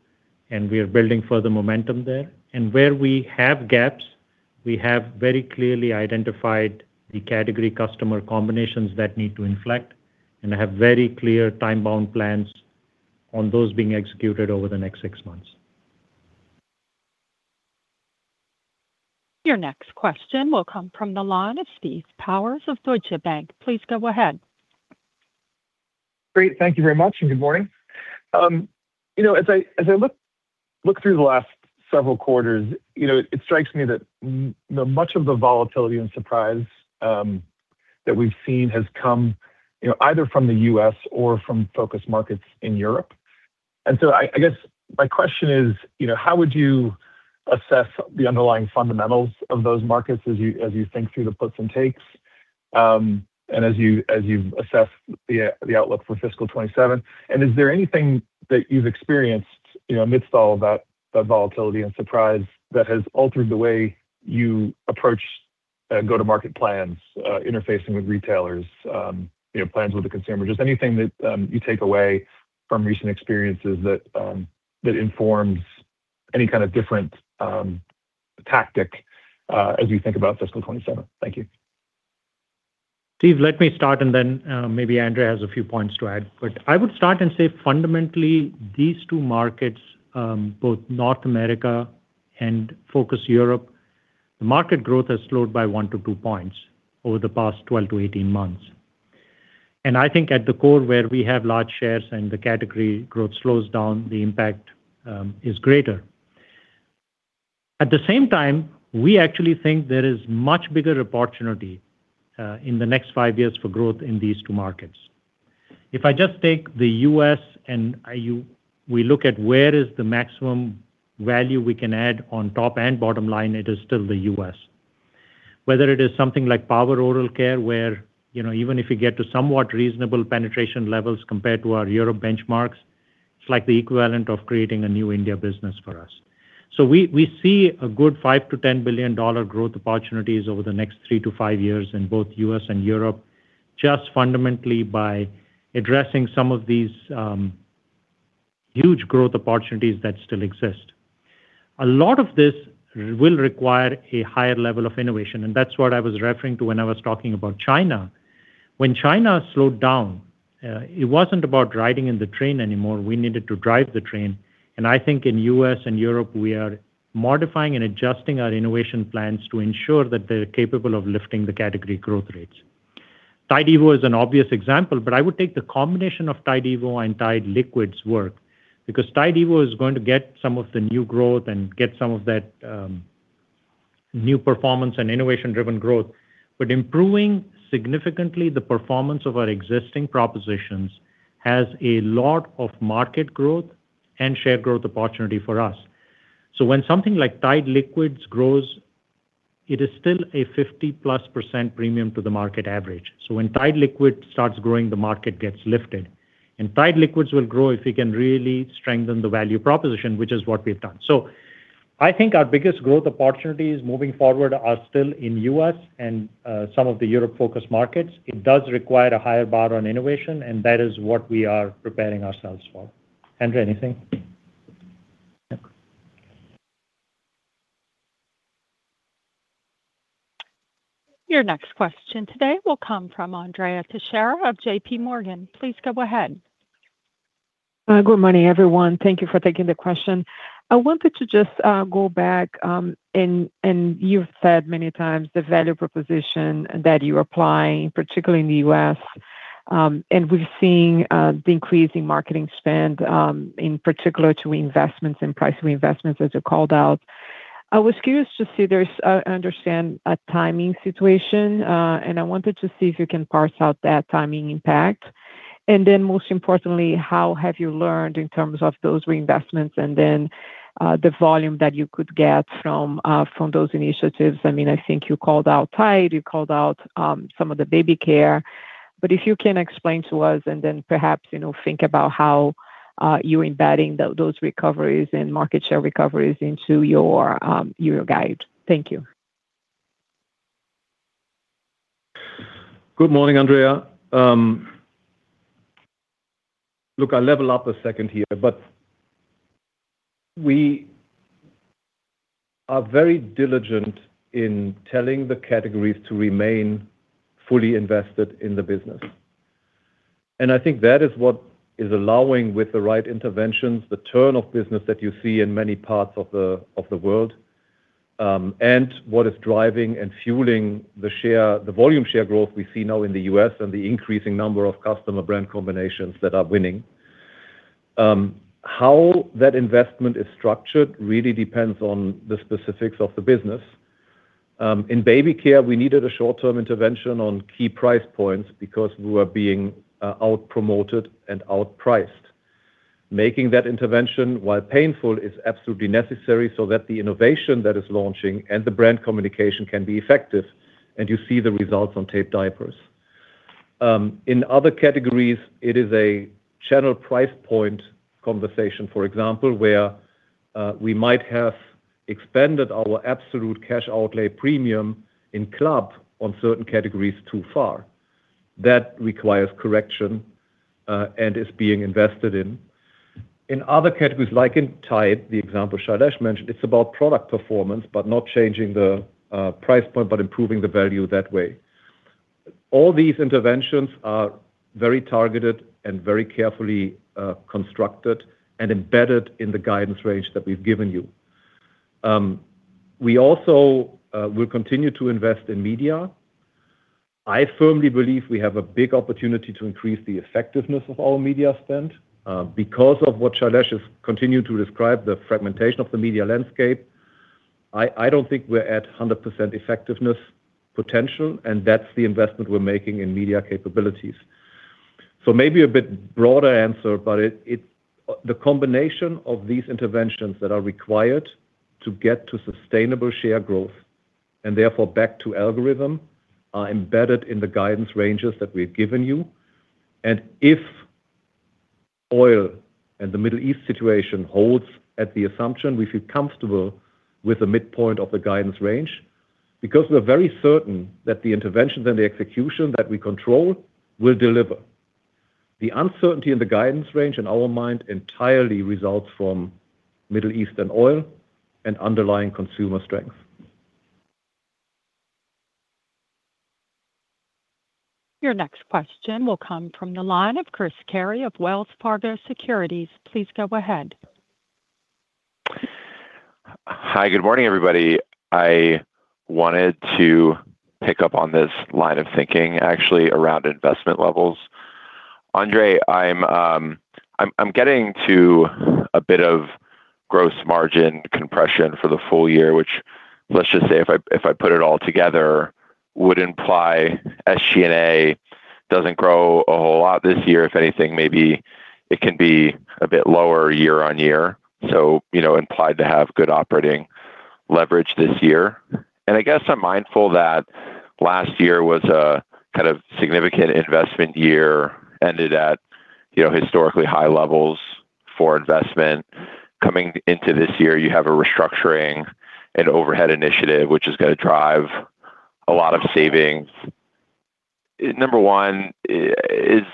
and we are building further momentum there. Where we have gaps, we have very clearly identified the category customer combinations that need to inflect and have very clear time-bound plans on those being executed over the next six months. Your next question will come from the line of Steve Powers of Deutsche Bank. Please go ahead. Great. Thank you very much, and good morning. As I look through the last several quarters, it strikes me that much of the volatility and surprise that we've seen has come either from the U.S. or from focus markets in Europe. I guess my question is, how would you assess the underlying fundamentals of those markets as you think through the puts and takes, and as you assess the outlook for fiscal 2027? Is there anything that you've experienced amidst all that volatility and surprise that has altered the way you approach go-to-market plans, interfacing with retailers, plans with the consumer? Just anything that you take away from recent experiences that informs any kind of different tactic as we think about fiscal 2027. Thank you. Steve, let me start, then maybe Andre has a few points to add. I would start and say, fundamentally, these two markets, both North America and focus Europe, the market growth has slowed by 1-2 points over the past 12-18 months. I think at the core, where we have large shares and the category growth slows down, the impact is greater. At the same time, we actually think there is much bigger opportunity in the next five years for growth in these two markets. If I just take the U.S., and we look at where is the maximum value we can add on top and bottom line, it is still the U.S. Whether it is something like power oral care, where even if you get to somewhat reasonable penetration levels compared to our Europe benchmarks, it's like the equivalent of creating a new India business for us. We see a good $5 billion-$10 billion growth opportunities over the next three to five years in both U.S. and Europe, just fundamentally by addressing some of these huge growth opportunities that still exist. A lot of this will require a higher level of innovation, and that's what I was referring to when I was talking about China. When China slowed down, it wasn't about riding in the train anymore. We needed to drive the train. I think in U.S. and Europe, we are modifying and adjusting our innovation plans to ensure that they're capable of lifting the category growth rates. Tide evo is an obvious example, but I would take the combination of Tide evo and Tide liquids work because Tide evo is going to get some of the new growth and get some of that new performance and innovation-driven growth. But improving significantly the performance of our existing propositions has a lot of market growth and share growth opportunity for us. So when something like Tide liquids grows, it is still a 50%+ premium to the market average. So when Tide liquid starts growing, the market gets lifted, and Tide liquids will grow if we can really strengthen the value proposition, which is what we've done. So I think our biggest growth opportunities moving forward are still in the U.S. and some of the Europe-focused markets. It does require a higher bar on innovation, and that is what we are preparing ourselves for. Andre, anything? No. Your next question today will come from Andrea Teixeira of JPMorgan. Please go ahead. Good morning, everyone. Thank you for taking the question. I wanted to just go back, and you've said many times the value proposition that you apply, particularly in the U.S., and we're seeing the increasing marketing spend in particular to reinvestments, in price reinvestments, as you called out. I was curious to understand a timing situation, and I wanted to see if you can parse out that timing impact. Then most importantly, how have you learned in terms of those reinvestments and the volume that you could get from those initiatives? I think you called out Tide, you called out some of the baby care, but if you can explain to us and perhaps think about how you're embedding those recoveries and market share recoveries into your guide. Thank you. Good morning, Andrea. Look, I'll level up a second here, but we are very diligent in telling the categories to remain fully invested in the business. And I think that is what is allowing, with the right interventions, the turn of business that you see in many parts of the world, and what is driving and fueling the volume share growth we see now in the U.S. and the increasing number of customer brand combinations that are winning. How that investment is structured really depends on the specifics of the business. In baby care, we needed a short-term intervention on key price points because we were being out-promoted and out-priced. Making that intervention, while painful, is absolutely necessary so that the innovation that is launching and the brand communication can be effective, and you see the results on tape diapers. In other categories, it is a channel price point conversation, for example, where we might have expanded our absolute cash outlay premium in club on certain categories too far. That requires correction and is being invested in. In other categories, like in Tide, the example Shailesh mentioned, it's about product performance, but not changing the price point, but improving the value that way. All these interventions are very targeted and very carefully constructed and embedded in the guidance range that we've given you. We also will continue to invest in media. I firmly believe we have a big opportunity to increase the effectiveness of our media spend because of what Shailesh has continued to describe, the fragmentation of the media landscape. I don't think we're at 100% effectiveness potential, and that's the investment we're making in media capabilities. Maybe a bit broader answer, the combination of these interventions that are required to get to sustainable share growth and therefore back to algorithm are embedded in the guidance ranges that we've given you. If oil and the Middle East situation holds at the assumption, we feel comfortable with the midpoint of the guidance range because we're very certain that the interventions and the execution that we control will deliver. The uncertainty in the guidance range in our mind entirely results from Middle Eastern oil and underlying consumer strength. Your next question will come from the line of Chris Carey of Wells Fargo Securities. Please go ahead. Hi, good morning, everybody. I wanted to pick up on this line of thinking, actually, around investment levels. Andre, I'm getting to a bit of gross margin compression for the full year, which let's just say if I put it all together, would imply SG&A doesn't grow a whole lot this year. If anything, maybe it can be a bit lower year-on-year, implied to have good operating leverage this year. I guess I'm mindful that last year was a kind of significant investment year, ended at historically high levels for investment. Coming into this year, you have a restructuring and overhead initiative, which is going to drive a lot of savings. Number one, is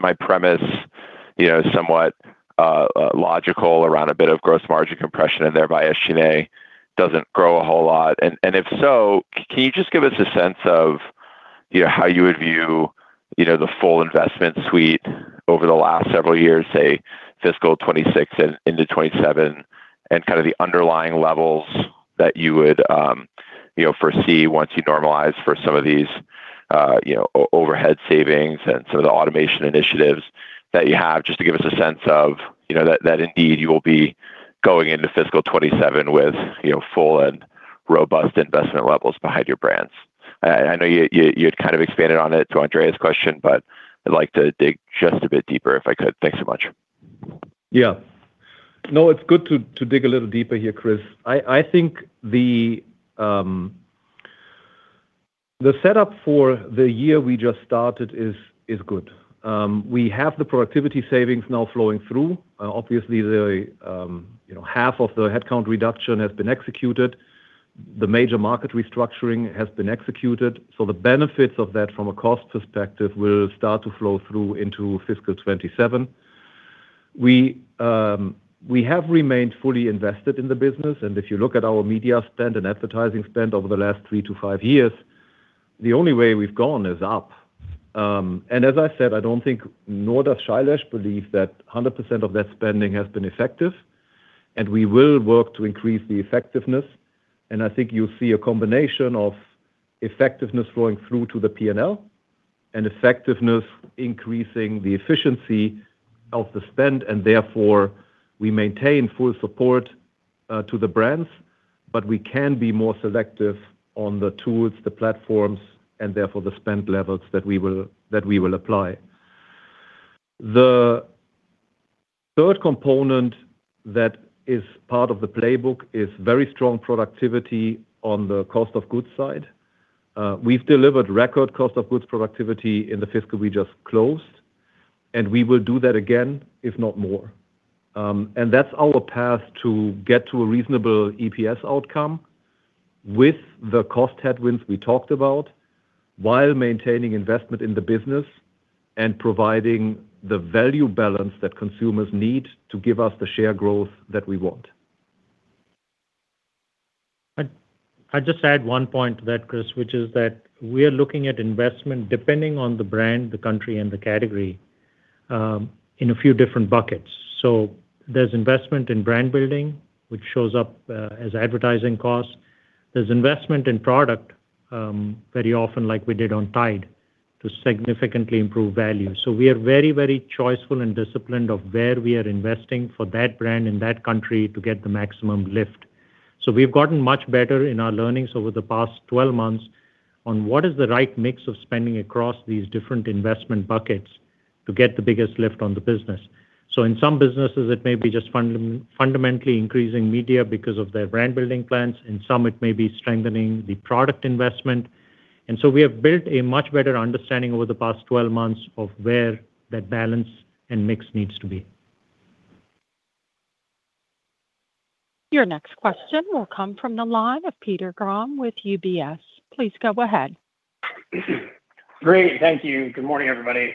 my premise somewhat logical around a bit of gross margin compression and thereby SG&A doesn't grow a whole lot? If so, can you just give us a sense of how you would view the full investment suite over the last several years, say fiscal 2026 and into 2027, and kind of the underlying levels that you would you know, foresee once you normalize for some of these overhead savings and some of the automation initiatives that you have, just to give us a sense of that indeed you will be going into fiscal 2027 with full and robust investment levels behind your brands. I know you had kind of expanded on it to Andrea's question, but I'd like to dig just a bit deeper if I could. Thanks so much. No, it's good to dig a little deeper here, Chris. I think the setup for the year we just started is good. We have the productivity savings now flowing through. Obviously, half of the headcount reduction has been executed. The major market restructuring has been executed. The benefits of that from a cost perspective will start to flow through into fiscal 2027. We have remained fully invested in the business, and if you look at our media spend and advertising spend over the last three to five years, the only way we've gone is up. As I said, I don't think, nor does Shailesh believe that 100% of that spending has been effective, and we will work to increase the effectiveness. I think you'll see a combination of effectiveness flowing through to the P&L, and effectiveness increasing the efficiency of the spend. Therefore, we maintain full support to the brands, but we can be more selective on the tools, the platforms, and therefore the spend levels that we will apply. The third component that is part of the playbook is very strong productivity on the cost of goods side. We've delivered record cost of goods productivity in the fiscal we just closed, and we will do that again, if not more. That's our path to get to a reasonable EPS outcome with the cost headwinds we talked about while maintaining investment in the business and providing the value balance that consumers need to give us the share growth that we want. I'd just add one point to that, Chris, which is that we are looking at investment, depending on the brand, the country, and the category, in a few different buckets. There's investment in brand building, which shows up as advertising cost. There's investment in product, very often like we did on Tide, to significantly improve value. We are very, very choiceful and disciplined of where we are investing for that brand in that country to get the maximum lift. We've gotten much better in our learnings over the past 12 months on what is the right mix of spending across these different investment buckets to get the biggest lift on the business. In some businesses, it may be just fundamentally increasing media because of their brand-building plans. In some, it may be strengthening the product investment. We have built a much better understanding over the past 12 months of where that balance and mix needs to be. Your next question will come from the line of Peter Grom with UBS. Please go ahead. Great, thank you. Good morning, everybody.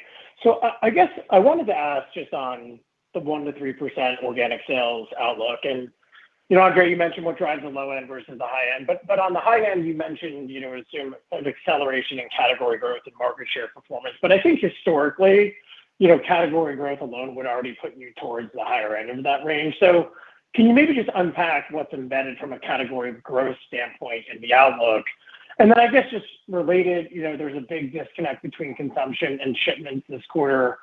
I guess I wanted to ask just on the 1%-3% organic sales outlook, Andre, you mentioned what drives the low end versus the high end. On the high end, you mentioned, assume an acceleration in category growth and market share performance. I think historically, category growth alone would already put you towards the higher end of that range. Can you maybe just unpack what's embedded from a category growth standpoint in the outlook? Then I guess just related, there's a big disconnect between consumption and shipments this quarter.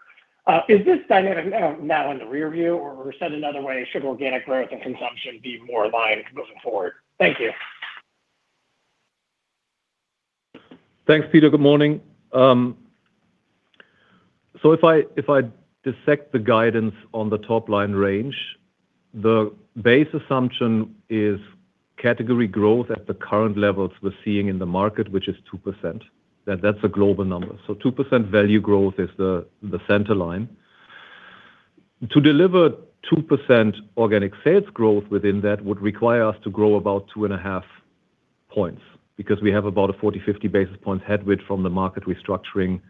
Is this dynamic now in the rear view? Or said another way, should organic growth and consumption be more aligned going forward? Thank you. Thanks, Peter. Good morning. If I dissect the guidance on the top-line range, the base assumption is category growth at the current levels we're seeing in the market, which is 2%. That's a global number. 2% value growth is the center line. To deliver 2% organic sales growth within that would require us to grow about 2.5 points, because we have about a 40, 50 basis point headwind from the market restructuring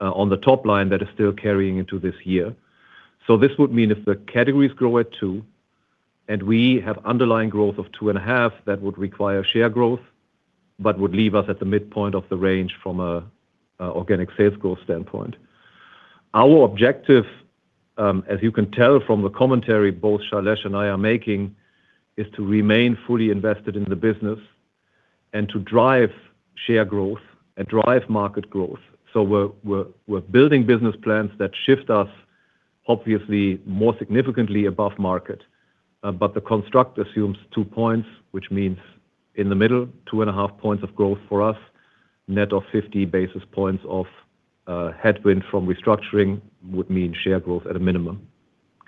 on the top line that is still carrying into this year. This would mean if the categories grow at two, and we have underlying growth of 2.5, that would require share growth, but would leave us at the midpoint of the range from an organic sales growth standpoint. Our objective, as you can tell from the commentary both Shailesh and I are making, is to remain fully invested in the business and to drive share growth and drive market growth. We're building business plans that shift us obviously more significantly above market. But the construct assumes two points, which means in the middle, 2.5 points of growth for us, net of 50 basis points of headwind from restructuring would mean share growth at a minimum.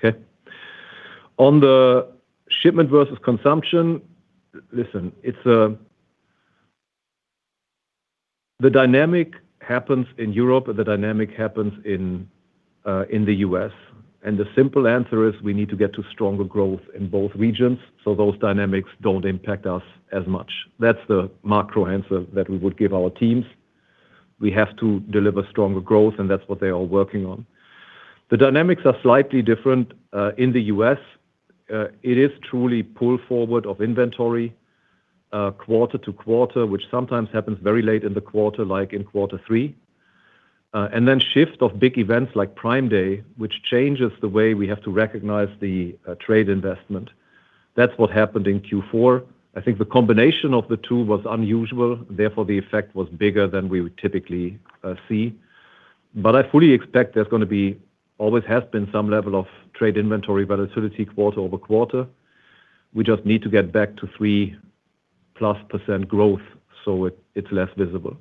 Okay? On the shipment versus consumption, listen, the dynamic happens in Europe, and the dynamic happens in the U.S. The simple answer is we need to get to stronger growth in both regions, so those dynamics don't impact us as much. That's the macro answer that we would give our teams. We have to deliver stronger growth, and that's what they are working on. The dynamics are slightly different, in the U.S. It is truly pull forward of inventory, quarter to quarter, which sometimes happens very late in the quarter, like in quarter three. Then shift of big events like Prime Day, which changes the way we have to recognize the trade investment. That's what happened in Q4. I fully expect there's going to be, always has been, some level of trade inventory volatility quarter-over-quarter. We just need to get back to three plus percent growth so it's less visible.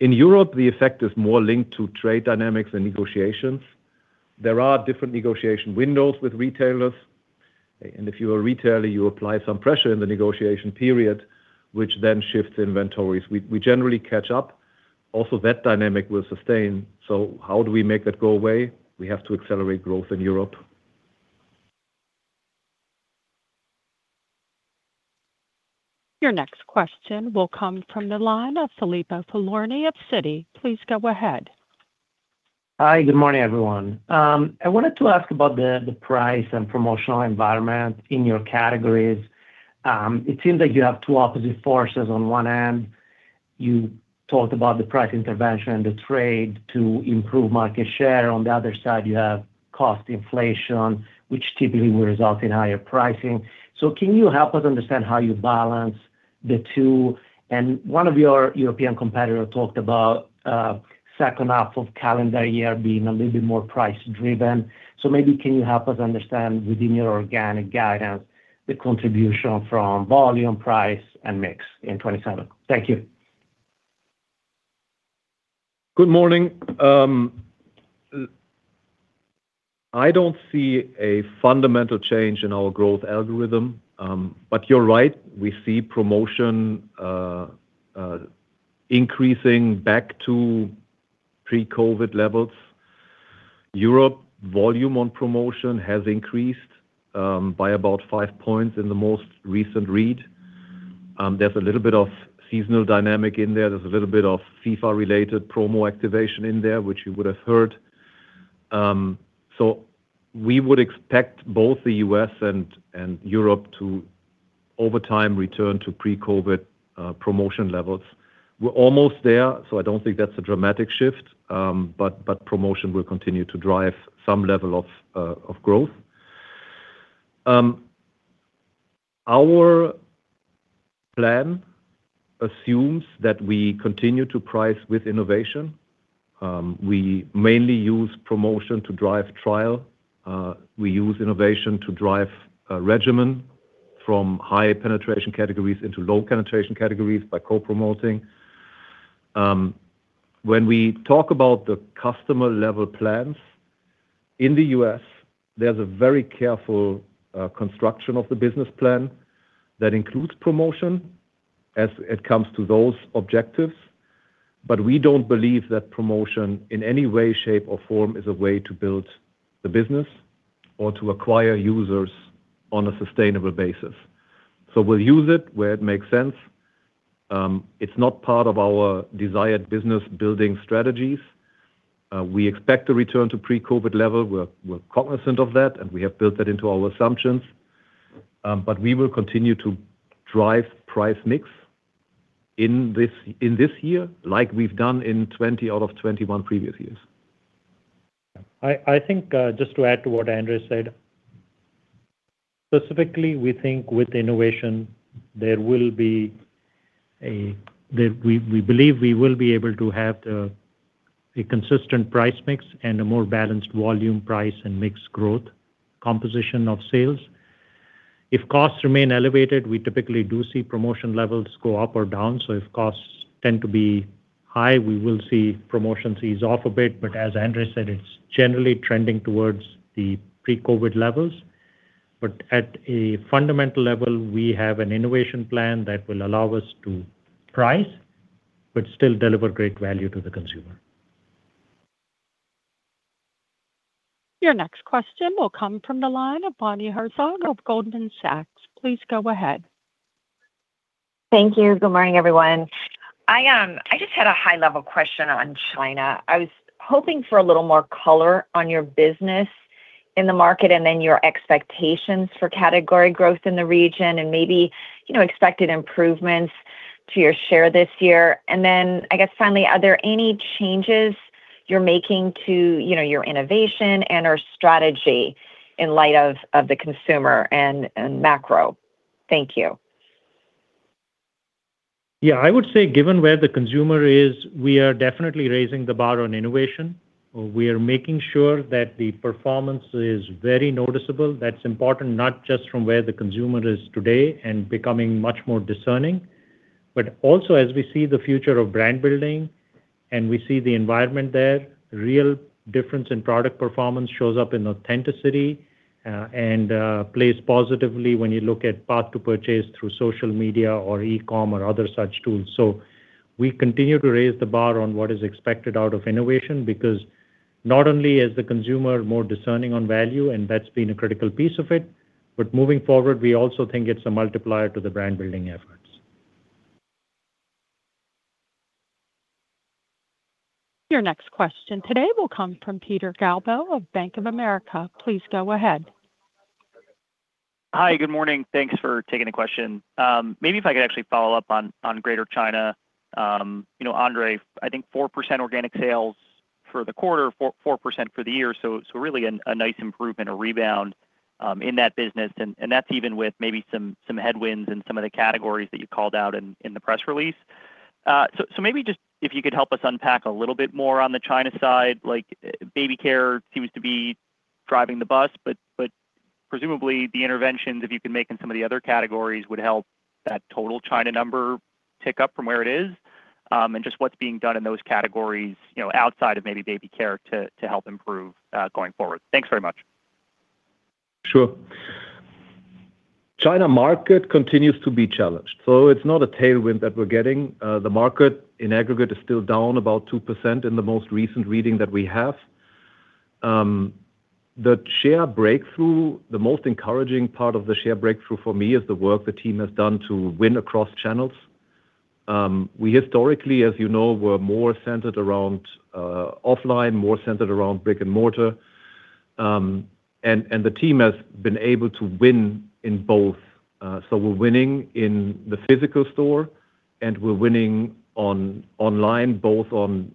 In Europe, the effect is more linked to trade dynamics and negotiations. There are different negotiation windows with retailers. And if you're a retailer, you apply some pressure in the negotiation period, which then shifts inventories. We generally catch up. Also, that dynamic will sustain. So how do we make that go away? We have to accelerate growth in Europe. Your next question will come from the line of Filippo Falorni of Citi. Please go ahead. Hi, good morning, everyone. I wanted to ask about the price and promotional environment in your categories. It seems that you have two opposite forces. On one end, you talked about the price intervention and the trade to improve market share. On the other side, you have cost inflation, which typically will result in higher pricing. Can you help us understand how you balance the two? One of your European competitors talked about second half of calendar year being a little bit more price driven. Maybe can you help us understand within your organic guidance, the contribution from volume, price, and mix in 2027? Thank you. Good morning. I don't see a fundamental change in our growth algorithm. You're right. We see promotion increasing back to pre-COVID levels. Europe volume on promotion has increased by about 5 points in the most recent read. There's a little bit of seasonal dynamic in there. There's a little bit of FIFA-related promo activation in there, which you would have heard. We would expect both the U.S. and Europe to, over time, return to pre-COVID promotion levels. We're almost there. I don't think that's a dramatic shift. Promotion will continue to drive some level of growth. Our plan assumes that we continue to price with innovation. We mainly use promotion to drive trial. We use innovation to drive regimen from high penetration categories into low penetration categories by co-promoting. When we talk about the customer-level plans, in the U.S., there's a very careful construction of the business plan that includes promotion as it comes to those objectives. We don't believe that promotion in any way, shape, or form is a way to build the business or to acquire users on a sustainable basis. We'll use it where it makes sense. It's not part of our desired business building strategies. We expect a return to pre-COVID level. We're cognizant of that. We have built that into our assumptions. We will continue to drive price mix in this year like we've done in 20 out of 21 previous years. I think, just to add to what Andre said, specifically, we think with innovation, we believe we will be able to have a consistent price mix and a more balanced volume price and mix growth composition of sales. If costs remain elevated, we typically do see promotion levels go up or down. If costs tend to be high, we will see promotions ease off a bit. As Andre said, it's generally trending towards the pre-COVID levels. At a fundamental level, we have an innovation plan that will allow us to price, but still deliver great value to the consumer. Your next question will come from the line of Bonnie Herzog of Goldman Sachs. Please go ahead. Thank you. Good morning, everyone. I just had a high-level question on China. I was hoping for a little more color on your business in the market, your expectations for category growth in the region and maybe expected improvements to your share this year. I guess finally, are there any changes you're making to your innovation and/or strategy in light of the consumer and macro? Thank you. I would say given where the consumer is, we are definitely raising the bar on innovation. We are making sure that the performance is very noticeable. That's important not just from where the consumer is today and becoming much more discerning, but also as we see the future of brand building and we see the environment there, real difference in product performance shows up in authenticity and plays positively when you look at path to purchase through social media or e-com or other such tools. We continue to raise the bar on what is expected out of innovation because not only is the consumer more discerning on value, and that's been a critical piece of it, but moving forward, we also think it's a multiplier to the brand-building efforts. Your next question today will come from Peter Galbo of Bank of America. Please go ahead. Hi, good morning. Thanks for taking the question. Maybe if I could actually follow up on Greater China. Andre, I think 4% organic sales for the quarter, 4% for the year. Really a nice improvement, a rebound, in that business, and that's even with maybe some headwinds in some of the categories that you called out in the press release. Maybe just if you could help us unpack a little bit more on the China side, like baby care seems to be driving the bus, but presumably the interventions, if you can make in some of the other categories, would help that total China number tick up from where it is, and just what's being done in those categories outside of maybe baby care to help improve going forward. Thanks very much. Sure. China market continues to be challenged, so it's not a tailwind that we're getting. The market in aggregate is still down about 2% in the most recent reading that we have. The most encouraging part of the share breakthrough for me is the work the team has done to win across channels. We historically, as you know, were more centered around offline, more centered around brick and mortar, and the team has been able to win in both. We're winning in the physical store and we're winning online, both on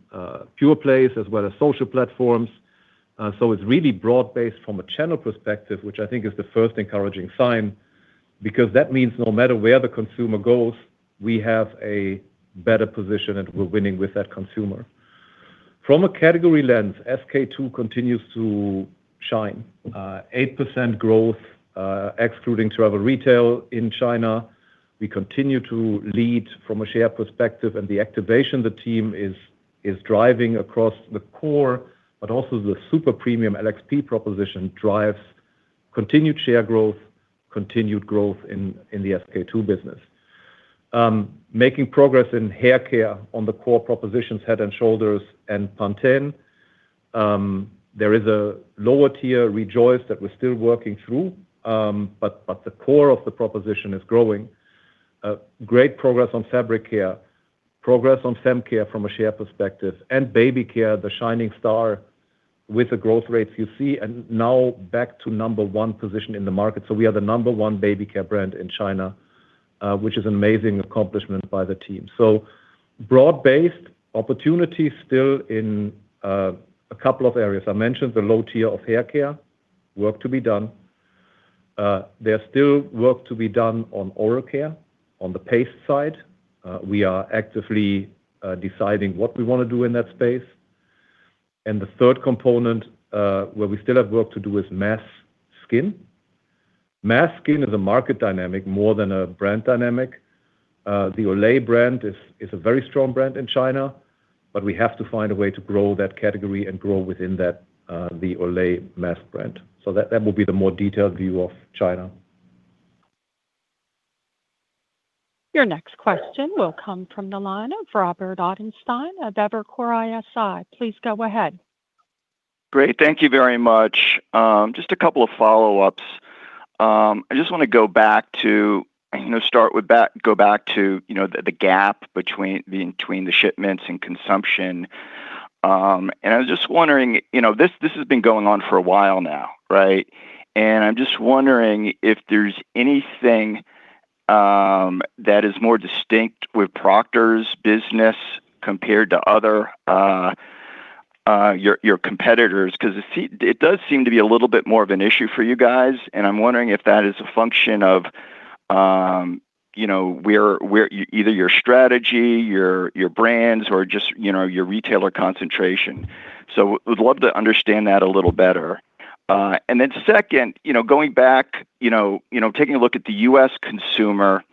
pure plays as well as social platforms. It's really broad-based from a channel perspective, which I think is the first encouraging sign because that means no matter where the consumer goes, we have a better position and we're winning with that consumer. From a category lens, SK-II continues to shine. 8% growth, excluding travel retail in China. We continue to lead from a share perspective and the activation the team is driving across the core, but also the super premium LXP proposition drives continued share growth, continued growth in the SK-II business. Making progress in hair care on the core propositions, Head & Shoulders and Pantene. There is a lower tier, Rejoice, that we're still working through. The core of the proposition is growing. Great progress on fabric care, progress on fem care from a share perspective, and baby care, the shining star with the growth rates you see, and now back to number one position in the market. We are the number one baby care brand in China, which is an amazing accomplishment by the team. Broad-based opportunities still in a couple of areas. I mentioned the low tier of hair care, work to be done. There's still work to be done on oral care, on the paste side. We are actively deciding what we want to do in that space. The third component, where we still have work to do, is mass skin. Mass skin is a market dynamic more than a brand dynamic. The Olay brand is a very strong brand in China, but we have to find a way to grow that category and grow within the Olay mass brand. That will be the more detailed view of China. Your next question will come from the line of Robert Ottenstein of Evercore ISI. Please go ahead. Great. Thank you very much. Just a couple of follow-ups. I just want to go back to the gap between the shipments and consumption. I was just wondering, this has been going on for a while now, right? I'm just wondering if there's anything that is more distinct with Procter's business compared to your competitors, because it does seem to be a little bit more of an issue for you guys, and I'm wondering if that is a function of either your strategy, your brands, or just your retailer concentration. Would love to understand that a little better. Second, going back, taking a look at the U.S. consumer,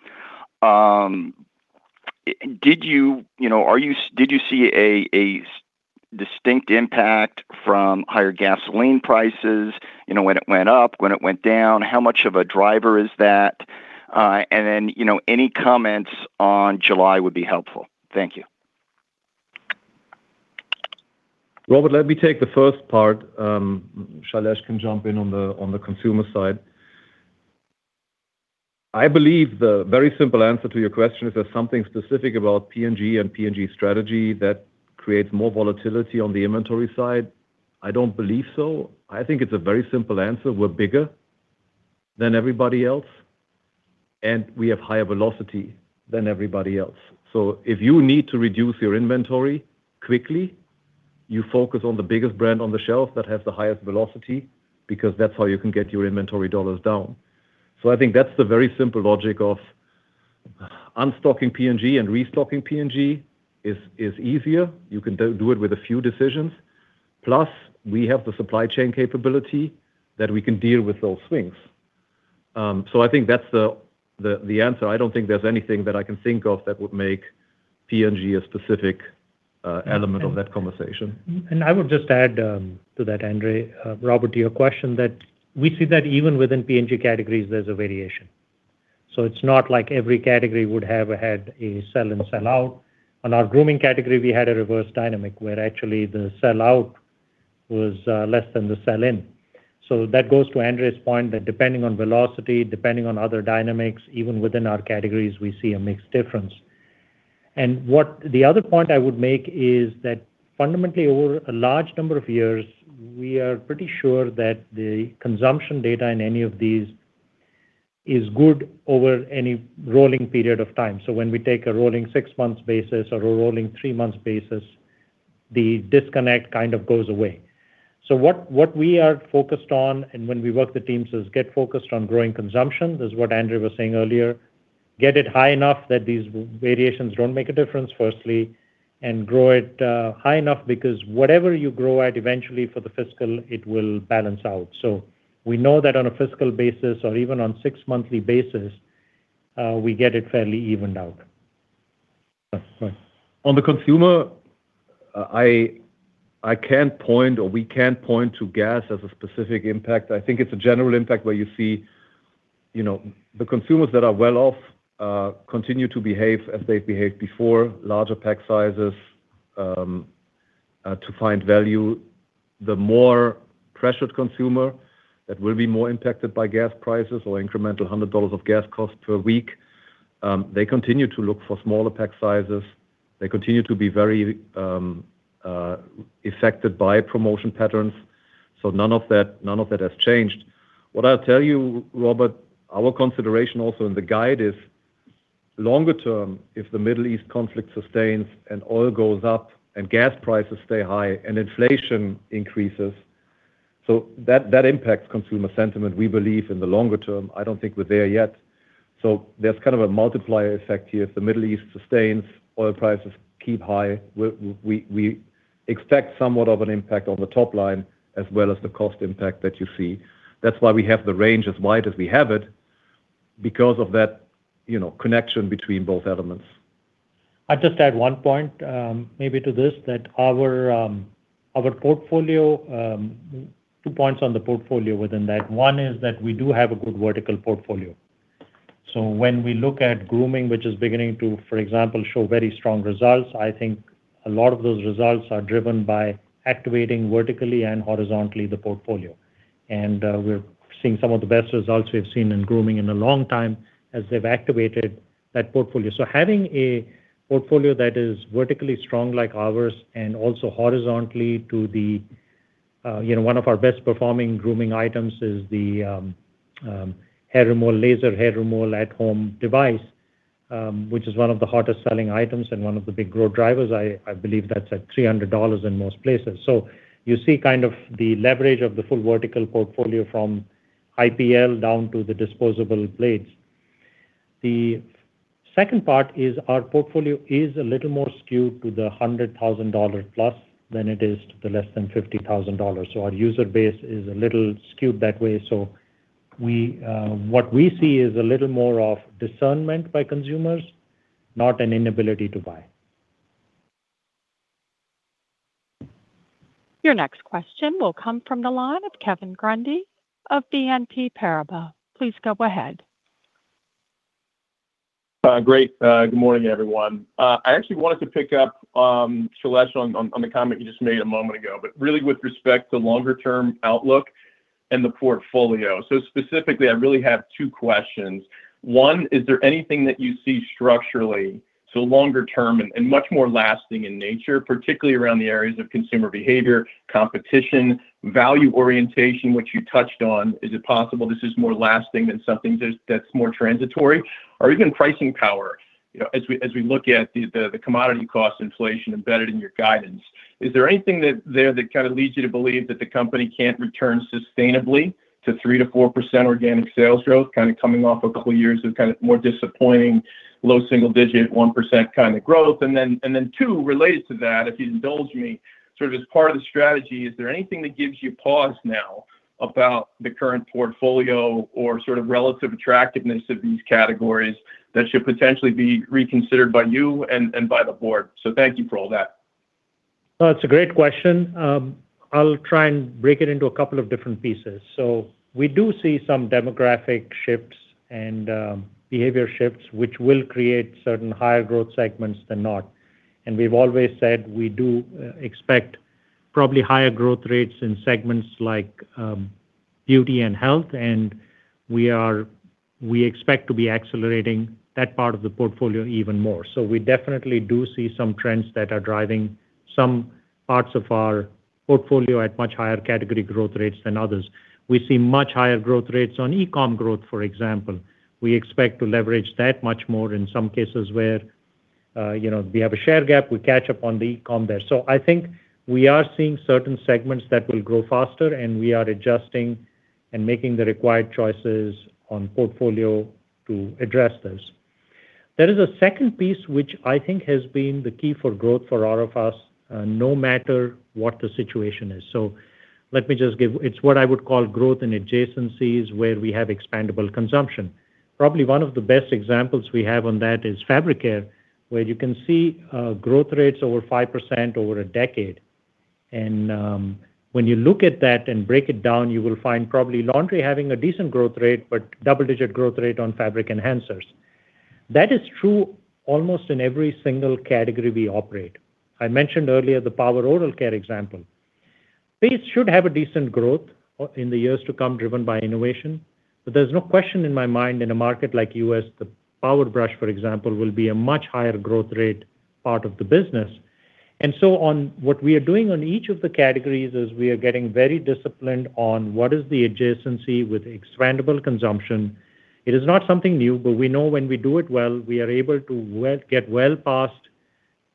did you see a distinct impact from higher gasoline prices when it went up, when it went down? How much of a driver is that? Any comments on July would be helpful. Thank you. Robert, let me take the first part. Shailesh can jump in on the consumer side. I believe the very simple answer to your question, is there something specific about P&G and P&G strategy that creates more volatility on the inventory side? I don't believe so. I think it's a very simple answer. We're bigger than everybody else, and we have higher velocity than everybody else. If you need to reduce your inventory quickly, you focus on the biggest brand on the shelf that has the highest velocity, because that's how you can get your inventory dollars down. I think that's the very simple logic of unstocking P&G and restocking P&G is easier. You can do it with a few decisions. Plus, we have the supply chain capability that we can deal with those swings. I think that's the answer. I don't think there's anything that I can think of that would make P&G a specific element of that conversation. I would just add to that, Andre, Robert, to your question, that we see that even within P&G categories, there's a variation. It's not like every category would have had a sell and sell out. On our grooming category, we had a reverse dynamic where actually the sell out was less than the sell-in. That goes to Andre's point that depending on velocity, depending on other dynamics, even within our categories, we see a mixed difference. The other point I would make is that fundamentally over a large number of years, we are pretty sure that the consumption data in any of these is good over any rolling period of time. When we take a rolling six months basis or a rolling three months basis, the disconnect kind of goes away. What we are focused on, and when we work the teams, is get focused on growing consumption, as what Andre was saying earlier. Get it high enough that these variations don't make a difference, firstly, and grow it high enough because whatever you grow at eventually for the fiscal, it will balance out. We know that on a fiscal basis or even on six monthly basis, we get it fairly evened out. On the consumer, I can point, or we can point to gas as a specific impact. I think it's a general impact where you see the consumers that are well off, continue to behave as they've behaved before, larger pack sizes to find value. The more pressured consumer that will be more impacted by gas prices or incremental $100 of gas cost per week, they continue to look for smaller pack sizes. They continue to be very affected by promotion patterns. None of that has changed. What I'll tell you, Robert, our consideration also in the guide is longer term, if the Middle East conflict sustains and oil goes up and gas prices stay high and inflation increases, so that impacts consumer sentiment, we believe, in the longer term. I don't think we're there yet. There's kind of a multiplier effect here. If the Middle East sustains, oil prices keep high, we expect somewhat of an impact on the top line as well as the cost impact that you see. That's why we have the range as wide as we have it, because of that connection between both elements. I'd just add one point, maybe to this, two points on the portfolio within that. One is that we do have a good vertical portfolio. When we look at grooming, which is beginning to, for example, show very strong results, I think a lot of those results are driven by activating vertically and horizontally the portfolio. We're seeing some of the best results we've seen in grooming in a long time as they've activated that portfolio. Having a portfolio that is vertically strong like ours and also horizontally to the one of our best performing grooming items is the laser hair removal at home device, which is one of the hottest selling items and one of the big growth drivers. I believe that's at $300 in most places. You see kind of the leverage of the full vertical portfolio from IPL down to the disposable blades. The second part is our portfolio is a little more skewed to the $100,000+ than it is to the less than $50,000. Our user base is a little skewed that way. What we see is a little more of discernment by consumers, not an inability to buy. Your next question will come from the line of Kevin Grundy of BNP Paribas. Please go ahead. Great. Good morning, everyone. I actually wanted to pick up, Shailesh, on the comment you just made a moment ago, but really with respect to longer term outlook and the portfolio. Specifically, I really have two questions. One, is there anything that you see structurally, so longer term and much more lasting in nature, particularly around the areas of consumer behavior, competition, value orientation, which you touched on? Is it possible this is more lasting than something that's more transitory? Even pricing power, as we look at the commodity cost inflation embedded in your guidance. Is there anything there that kind of leads you to believe that the company can't return sustainably to 3%-4% organic sales growth, kind of coming off a couple years of kind of more disappointing, low single digit 1% kind of growth? Two, related to that, if you indulge me, sort of as part of the strategy, is there anything that gives you pause now about the current portfolio or sort of relative attractiveness of these categories that should potentially be reconsidered by you and by the board? Thank you for all that. Well, it's a great question. I'll try and break it into a couple of different pieces. We do see some demographic shifts and behavior shifts, which will create certain higher growth segments than not. We've always said we do expect probably higher growth rates in segments like beauty and health, and we expect to be accelerating that part of the portfolio even more. We definitely do see some trends that are driving some parts of our portfolio at much higher category growth rates than others. We see much higher growth rates on e-com growth, for example. We expect to leverage that much more in some cases where we have a share gap, we catch up on the e-com there. I think we are seeing certain segments that will grow faster, and we are adjusting and making the required choices on portfolio to address those. There is a second piece, which I think has been the key for growth for all of us, no matter what the situation is. Let me just give, it's what I would call growth in adjacencies, where we have expandable consumption. Probably one of the best examples we have on that is Fabric Care, where you can see growth rates over 5% over a decade. When you look at that and break it down, you will find probably laundry having a decent growth rate, but double-digit growth rate on fabric enhancers. That is true almost in every single category we operate. I mentioned earlier the power oral care example Base should have a decent growth in the years to come, driven by innovation. There's no question in my mind, in a market like U.S., the Powerbrush, for example, will be a much higher growth rate part of the business. On what we are doing on each of the categories is we are getting very disciplined on what is the adjacency with expandable consumption. It is not something new, but we know when we do it well, we are able to get well past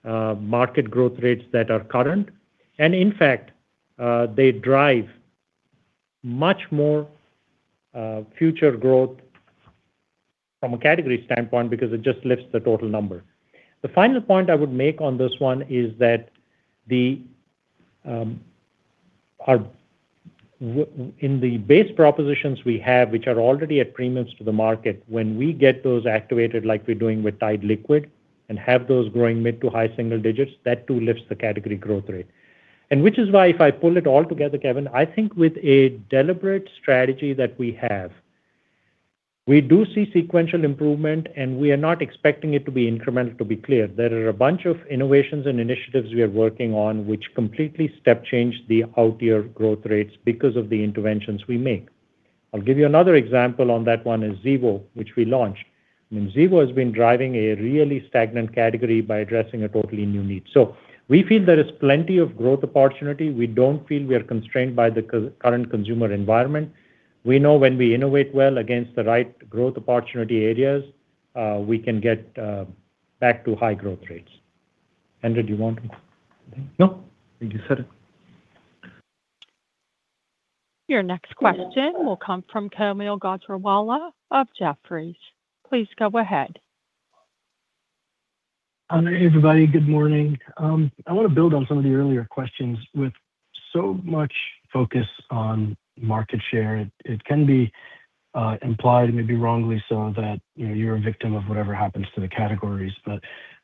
market growth rates that are current. In fact, they drive much more future growth from a category standpoint because it just lifts the total number. The final point I would make on this one is that in the base propositions we have, which are already at premiums to the market, when we get those activated like we're doing with Tide liquid and have those growing mid to high single digits, that too lifts the category growth rate. Which is why, if I pull it all together, Kevin, I think with a deliberate strategy that we have, we do see sequential improvement, and we are not expecting it to be incremental to be clear. There are a bunch of innovations and initiatives we are working on which completely step change the out-year growth rates because of the interventions we make. I'll give you another example on that one is Zevo, which we launched. Zevo has been driving a really stagnant category by addressing a totally new need. We feel there is plenty of growth opportunity. We don't feel we are constrained by the current consumer environment. We know when we innovate well against the right growth opportunity areas, we can get back to high growth rates. Andre, do you want to? No. Thank you, sir. Your next question will come from Kaumil Gajrawala of Jefferies. Please go ahead. Hi, everybody. Good morning. I want to build on some of the earlier questions. With so much focus on market share, it can be implied, maybe wrongly so, that you're a victim of whatever happens to the categories. I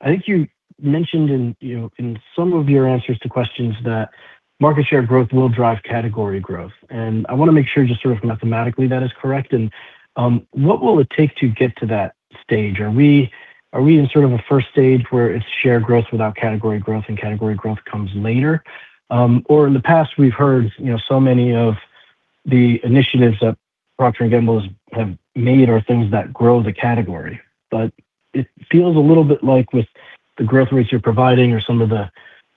think you mentioned in some of your answers to questions that market share growth will drive category growth. I want to make sure just sort of mathematically that is correct. What will it take to get to that stage? Are we in sort of a first stage where it's share growth without category growth and category growth comes later? In the past, we've heard so many of the initiatives that Procter & Gamble have made are things that grow the category. It feels a little bit like with the growth rates you're providing or some of the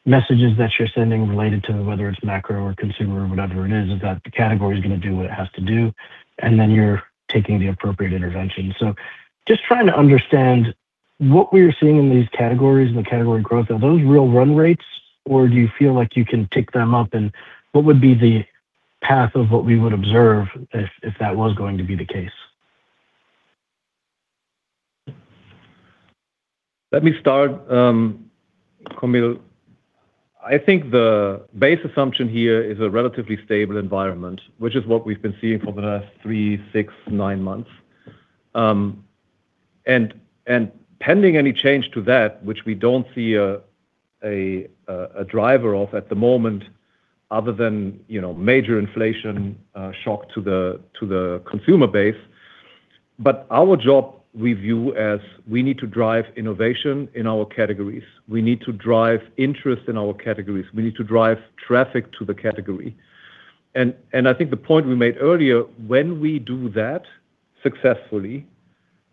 messages that you're sending related to whether it's macro or consumer or whatever it is that the category is going to do what it has to do, you're taking the appropriate intervention. Just trying to understand what we are seeing in these categories and the category growth. Are those real run rates, or do you feel like you can tick them up? What would be the path of what we would observe if that was going to be the case? Let me start, Kaumil. I think the base assumption here is a relatively stable environment, which is what we've been seeing for the last three, six, nine months. Pending any change to that, which we don't see a driver of at the moment other than major inflation shock to the consumer base. Our job we view as we need to drive innovation in our categories. We need to drive interest in our categories. We need to drive traffic to the category. I think the point we made earlier, when we do that successfully,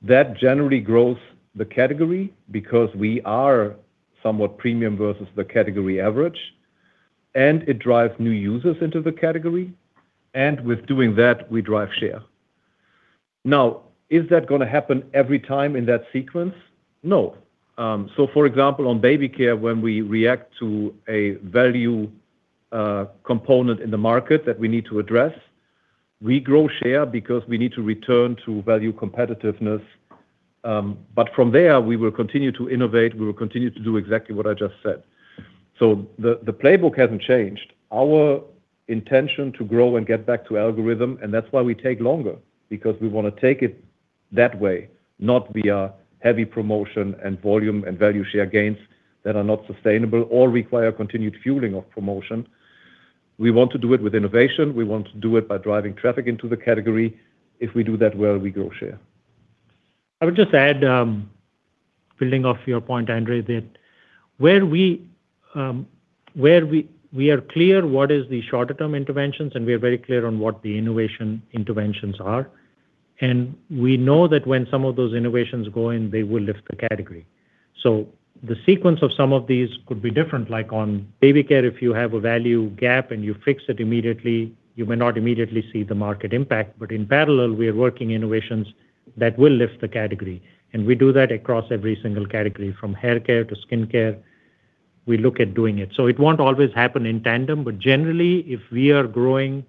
that generally grows the category because we are somewhat premium versus the category average, it drives new users into the category. With doing that, we drive share. Now, is that going to happen every time in that sequence? No. For example, on baby care, when we react to a value component in the market that we need to address, we grow share because we need to return to value competitiveness. From there, we will continue to innovate. We will continue to do exactly what I just said. The playbook hasn't changed. Our intention to grow and get back to algorithm, that's why we take longer because we want to take it that way, not via heavy promotion and volume and value share gains that are not sustainable or require continued fueling of promotion. We want to do it with innovation. We want to do it by driving traffic into the category. If we do that well, we grow share. I would just add, building off your point, Andre, that where we are clear what is the shorter-term interventions, and we are very clear on what the innovation interventions are. We know that when some of those innovations go in, they will lift the category. The sequence of some of these could be different. Like on baby care, if you have a value gap and you fix it immediately, you may not immediately see the market impact. In parallel, we are working innovations that will lift the category. We do that across every single category, from haircare to skincare. We look at doing it. It won't always happen in tandem, but generally, if we are growing,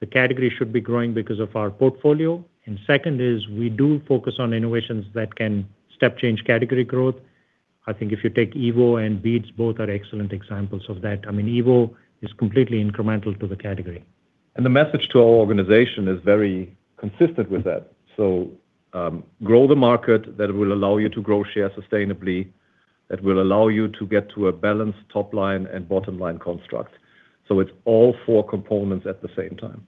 the category should be growing because of our portfolio. Second is we do focus on innovations that can step change category growth. I think if you take Evo and beads, both are excellent examples of that. Evo is completely incremental to the category. The message to our organization is very consistent with that. Grow the market that will allow you to grow share sustainably, that will allow you to get to a balanced top line and bottom line construct. It's all four components at the same time.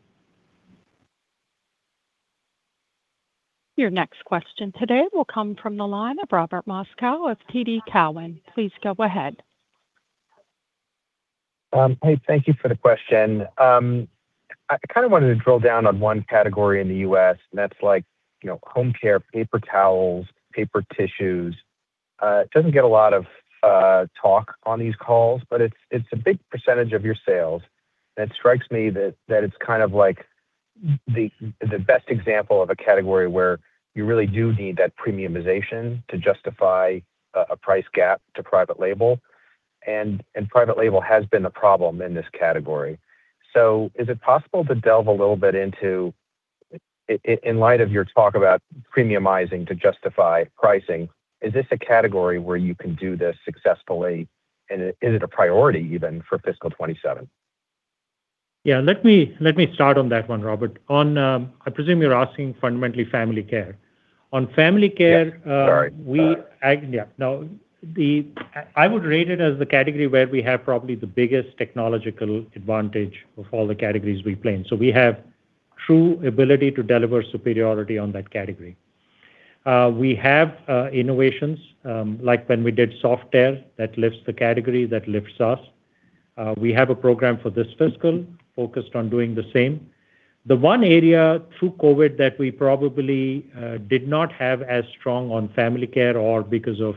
Your next question today will come from the line of Robert Moskow of TD Cowen. Please go ahead. Thank you for the question. I kind of wanted to drill down on one category in the U.S., and that's home care, paper towels, paper tissues. It doesn't get a lot of talk on these calls, but it's a big percentage of your sales, and it strikes me that it's kind of like the best example of a category where you really do need that premiumization to justify a price gap to private label. Private label has been the problem in this category. Is it possible to delve a little bit into, in light of your talk about premiumizing to justify pricing, is this a category where you can do this successfully, and is it a priority even for fiscal 2027? Yeah, let me start on that one, Robert. I presume you're asking fundamentally family care. On family care. Yeah. Sorry. No, I would rate it as the category where we have probably the biggest technological advantage of all the categories we play in. We have true ability to deliver superiority on that category. We have innovations, like when we did [Softlan], that lifts the category, that lifts us. We have a program for this fiscal focused on doing the same. The one area through COVID that we probably did not have as strong on family care or because of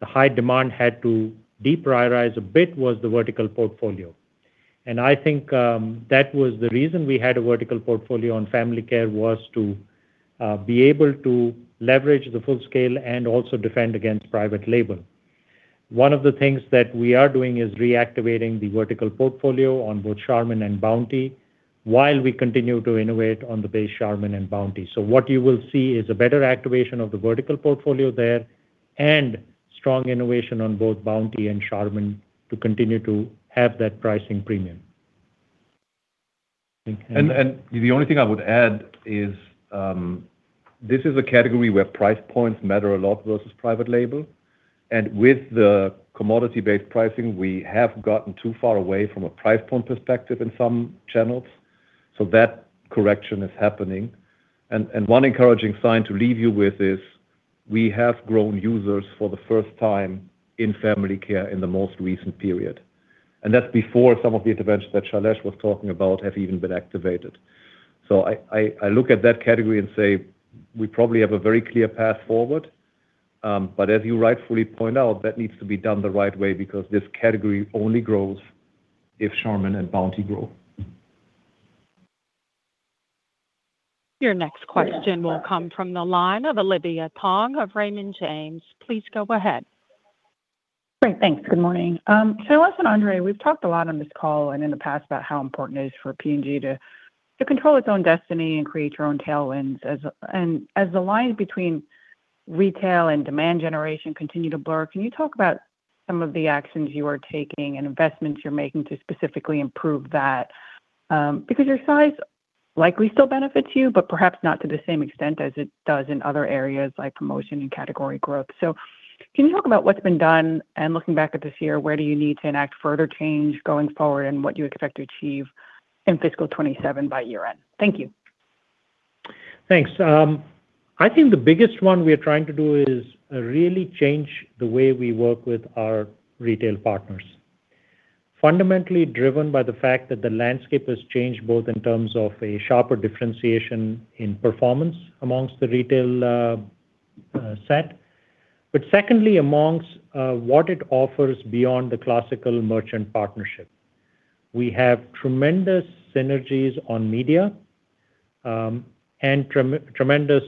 the high demand had to deprioritize a bit, was the vertical portfolio. I think that was the reason we had a vertical portfolio on family care, was to be able to leverage the full scale and also defend against private label. One of the things that we are doing is reactivating the vertical portfolio on both Charmin and Bounty, while we continue to innovate on the base Charmin and Bounty. What you will see is a better activation of the vertical portfolio there and strong innovation on both Bounty and Charmin to continue to have that pricing premium. The only thing I would add is, this is a category where price points matter a lot versus private label. With the commodity-based pricing, we have gotten too far away from a price point perspective in some channels. That correction is happening. One encouraging sign to leave you with is, we have grown users for the first time in family care in the most recent period. That's before some of the interventions that Shailesh was talking about have even been activated. I look at that category and say we probably have a very clear path forward. As you rightfully point out, that needs to be done the right way because this category only grows if Charmin and Bounty grow. Your next question will come from the line of Olivia Tong of Raymond James. Please go ahead. Great. Thanks. Good morning. Shailesh and Andre, we've talked a lot on this call and in the past about how important it is for P&G to control its own destiny and create your own tailwinds. As the lines between retail and demand generation continue to blur, can you talk about some of the actions you are taking and investments you're making to specifically improve that? Because your size likely still benefits you, but perhaps not to the same extent as it does in other areas like promotion and category growth. Can you talk about what's been done and looking back at this year, where do you need to enact further change going forward and what you expect to achieve in fiscal 2027 by year-end? Thank you. Thanks. I think the biggest one we are trying to do is really change the way we work with our retail partners. Fundamentally driven by the fact that the landscape has changed both in terms of a sharper differentiation in performance amongst the retail set, secondly, amongst what it offers beyond the classical merchant partnership. We have tremendous synergies on media, tremendous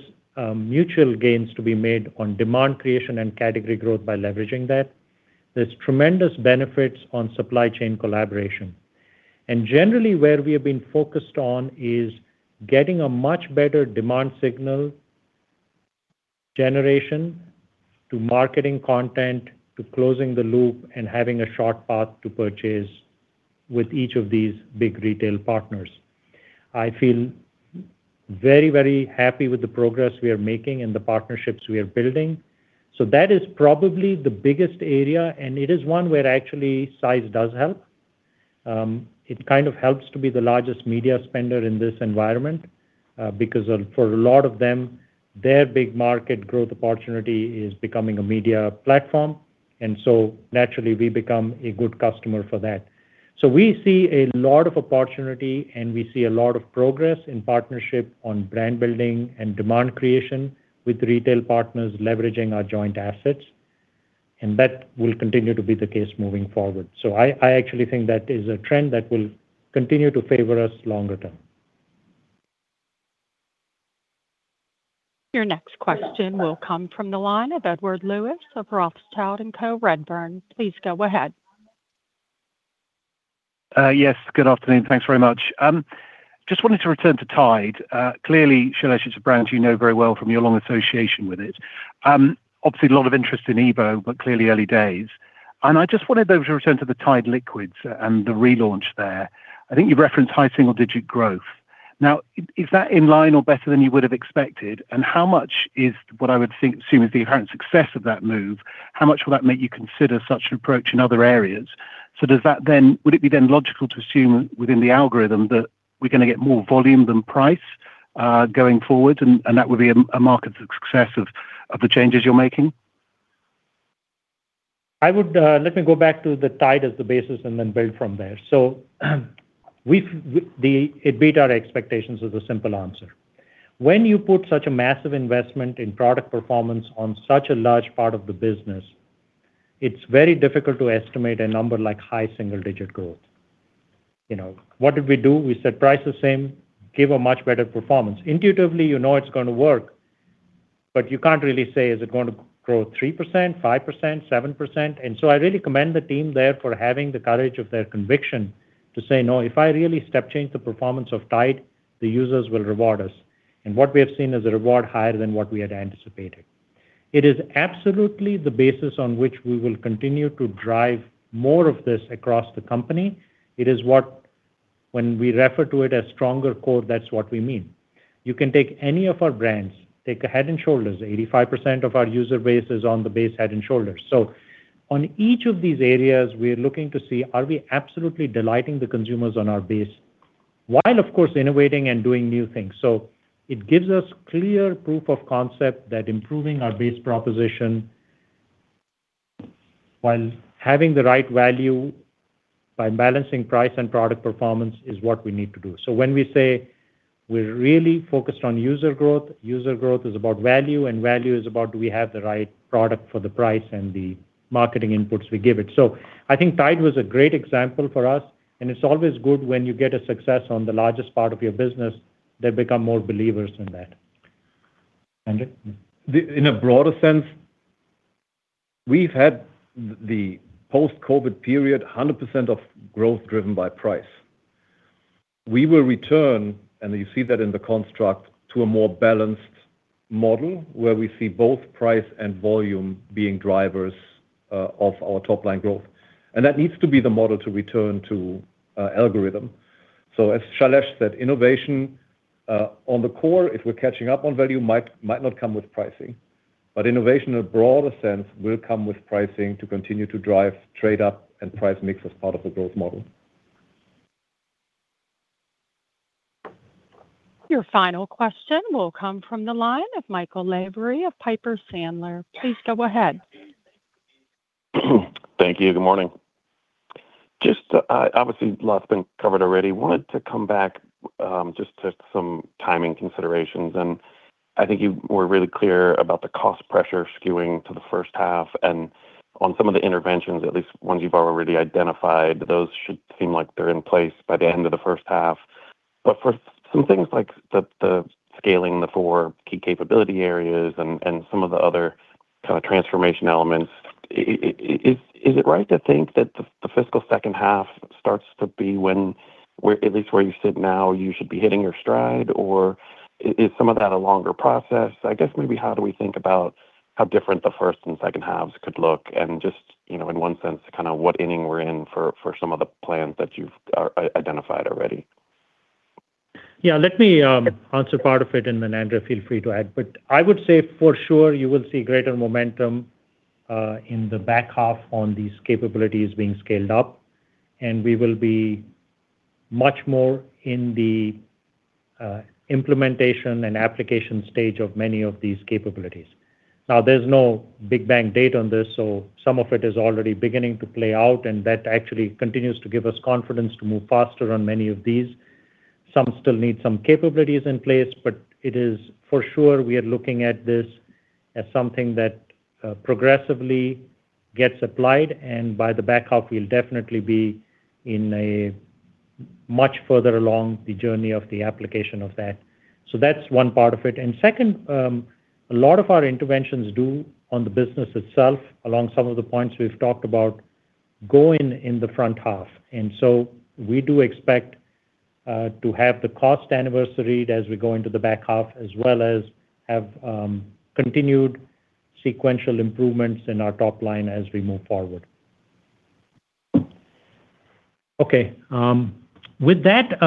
mutual gains to be made on demand creation and category growth by leveraging that. There's tremendous benefits on supply chain collaboration. Generally where we have been focused on is getting a much better demand signal generation to marketing content, to closing the loop and having a short path to purchase with each of these big retail partners. I feel very, very happy with the progress we are making and the partnerships we are building. That is probably the biggest area, and it is one where actually size does help. It kind of helps to be the largest media spender in this environment, because for a lot of them, their big market growth opportunity is becoming a media platform. Naturally we become a good customer for that. We see a lot of opportunity and we see a lot of progress in partnership on brand building and demand creation with retail partners leveraging our joint assets, and that will continue to be the case moving forward. I actually think that is a trend that will continue to favor us longer term. Your next question will come from the line of Edward Lewis of Rothschild & Co Redburn. Please go ahead. Yes, good afternoon. Thanks very much. Just wanted to return to Tide. Clearly, Shailesh, it's a brand you know very well from your long association with it. Obviously, a lot of interest in Evo, but clearly early days. I just wanted though to return to the Tide liquids and the relaunch there. I think you've referenced high single-digit growth. Now, is that in line or better than you would have expected? How much is what I would assume is the inherent success of that move, how much will that make you consider such an approach in other areas? Would it be then logical to assume within the algorithm that we're going to get more volume than price going forward, and that would be a marker of success of the changes you're making? Let me go back to the Tide as the basis and then build from there. It beat our expectations as a simple answer. When you put such a massive investment in product performance on such a large part of the business, it's very difficult to estimate a number like high single-digit growth. What did we do? We said price the same, give a much better performance. Intuitively, you know it's going to work, but you can't really say, is it going to grow 3%, 5%, 7%? I really commend the team there for having the courage of their conviction to say, "No, if I really step change the performance of Tide, the users will reward us." What we have seen is a reward higher than what we had anticipated. It is absolutely the basis on which we will continue to drive more of this across the company. When we refer to it as stronger core, that's what we mean. You can take any of our brands, take Head & Shoulders, 85% of our user base is on the base Head & Shoulders. On each of these areas, we are looking to see, are we absolutely delighting the consumers on our base while of course innovating and doing new things? It gives us clear proof of concept that improving our base proposition while having the right value by balancing price and product performance is what we need to do. When we say we're really focused on user growth, user growth is about value, and value is about do we have the right product for the price and the marketing inputs we give it. I think Tide was a great example for us, and it's always good when you get a success on the largest part of your business, they become more believers in that. Andre? In a broader sense, we've had the post-COVID period 100% of growth driven by price. We will return, and you see that in the construct, to a more balanced model where we see both price and volume being drivers of our top-line growth. That needs to be the model to return to algorithm. As Shailesh said, innovation on the core, if we're catching up on value, might not come with pricing, but innovation in a broader sense will come with pricing to continue to drive trade up and price mix as part of the growth model. Your final question will come from the line of Michael Lavery of Piper Sandler. Please go ahead. Thank you. Good morning. Obviously, a lot's been covered already. Wanted to come back just to some timing considerations, and I think you were really clear about the cost pressure skewing to the first half, and on some of the interventions, at least ones you've already identified, those should seem like they're in place by the end of the first half. For some things like the scaling the four key capability areas and some of the other kind of transformation elements, is it right to think that the fiscal second half starts to be when, at least where you sit now, you should be hitting your stride? Or is some of that a longer process? I guess maybe how do we think about how different the first and second halves could look and just, in one sense, kind of what inning we're in for some of the plans that you've identified already? Yeah, let me answer part of it, then Andre, feel free to add. I would say for sure, you will see greater momentum in the back half on these capabilities being scaled up, and we will be much more in the implementation and application stage of many of these capabilities. There's no big bang date on this, so some of it is already beginning to play out, and that actually continues to give us confidence to move faster on many of these. Some still need some capabilities in place, but it is for sure we are looking at this as something that progressively gets applied, and by the back half, we'll definitely be in a much further along the journey of the application of that. So that's one part of it. Second, a lot of our interventions do on the business itself, along some of the points we've talked about, go in in the front half. So we do expect to have the cost anniversary as we go into the back half, as well as have continued sequential improvements in our top line as we move forward. Okay. With that,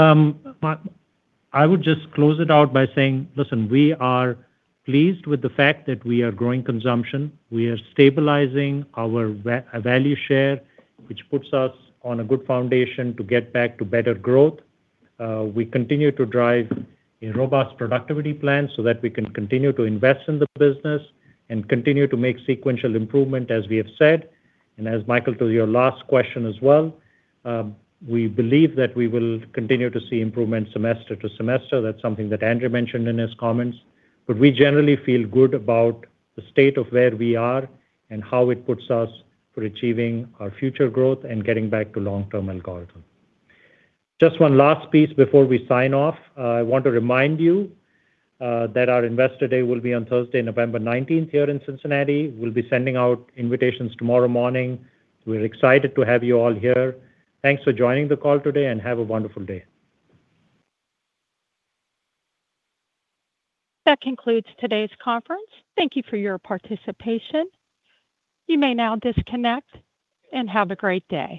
I would just close it out by saying, listen, we are pleased with the fact that we are growing consumption. We are stabilizing our value share, which puts us on a good foundation to get back to better growth. We continue to drive a robust productivity plan so that we can continue to invest in the business and continue to make sequential improvement, as we have said. As Michael, to your last question as well, we believe that we will continue to see improvement semester to semester. That's something that Andre mentioned in his comments. We generally feel good about the state of where we are and how it puts us for achieving our future growth and getting back to long-term algorithm. Just one last piece before we sign off. I want to remind you that our Investor Day will be on Thursday, November 19th here in Cincinnati. We'll be sending out invitations tomorrow morning. We're excited to have you all here. Thanks for joining the call today, and have a wonderful day. That concludes today's conference. Thank you for your participation. You may now disconnect, and have a great day.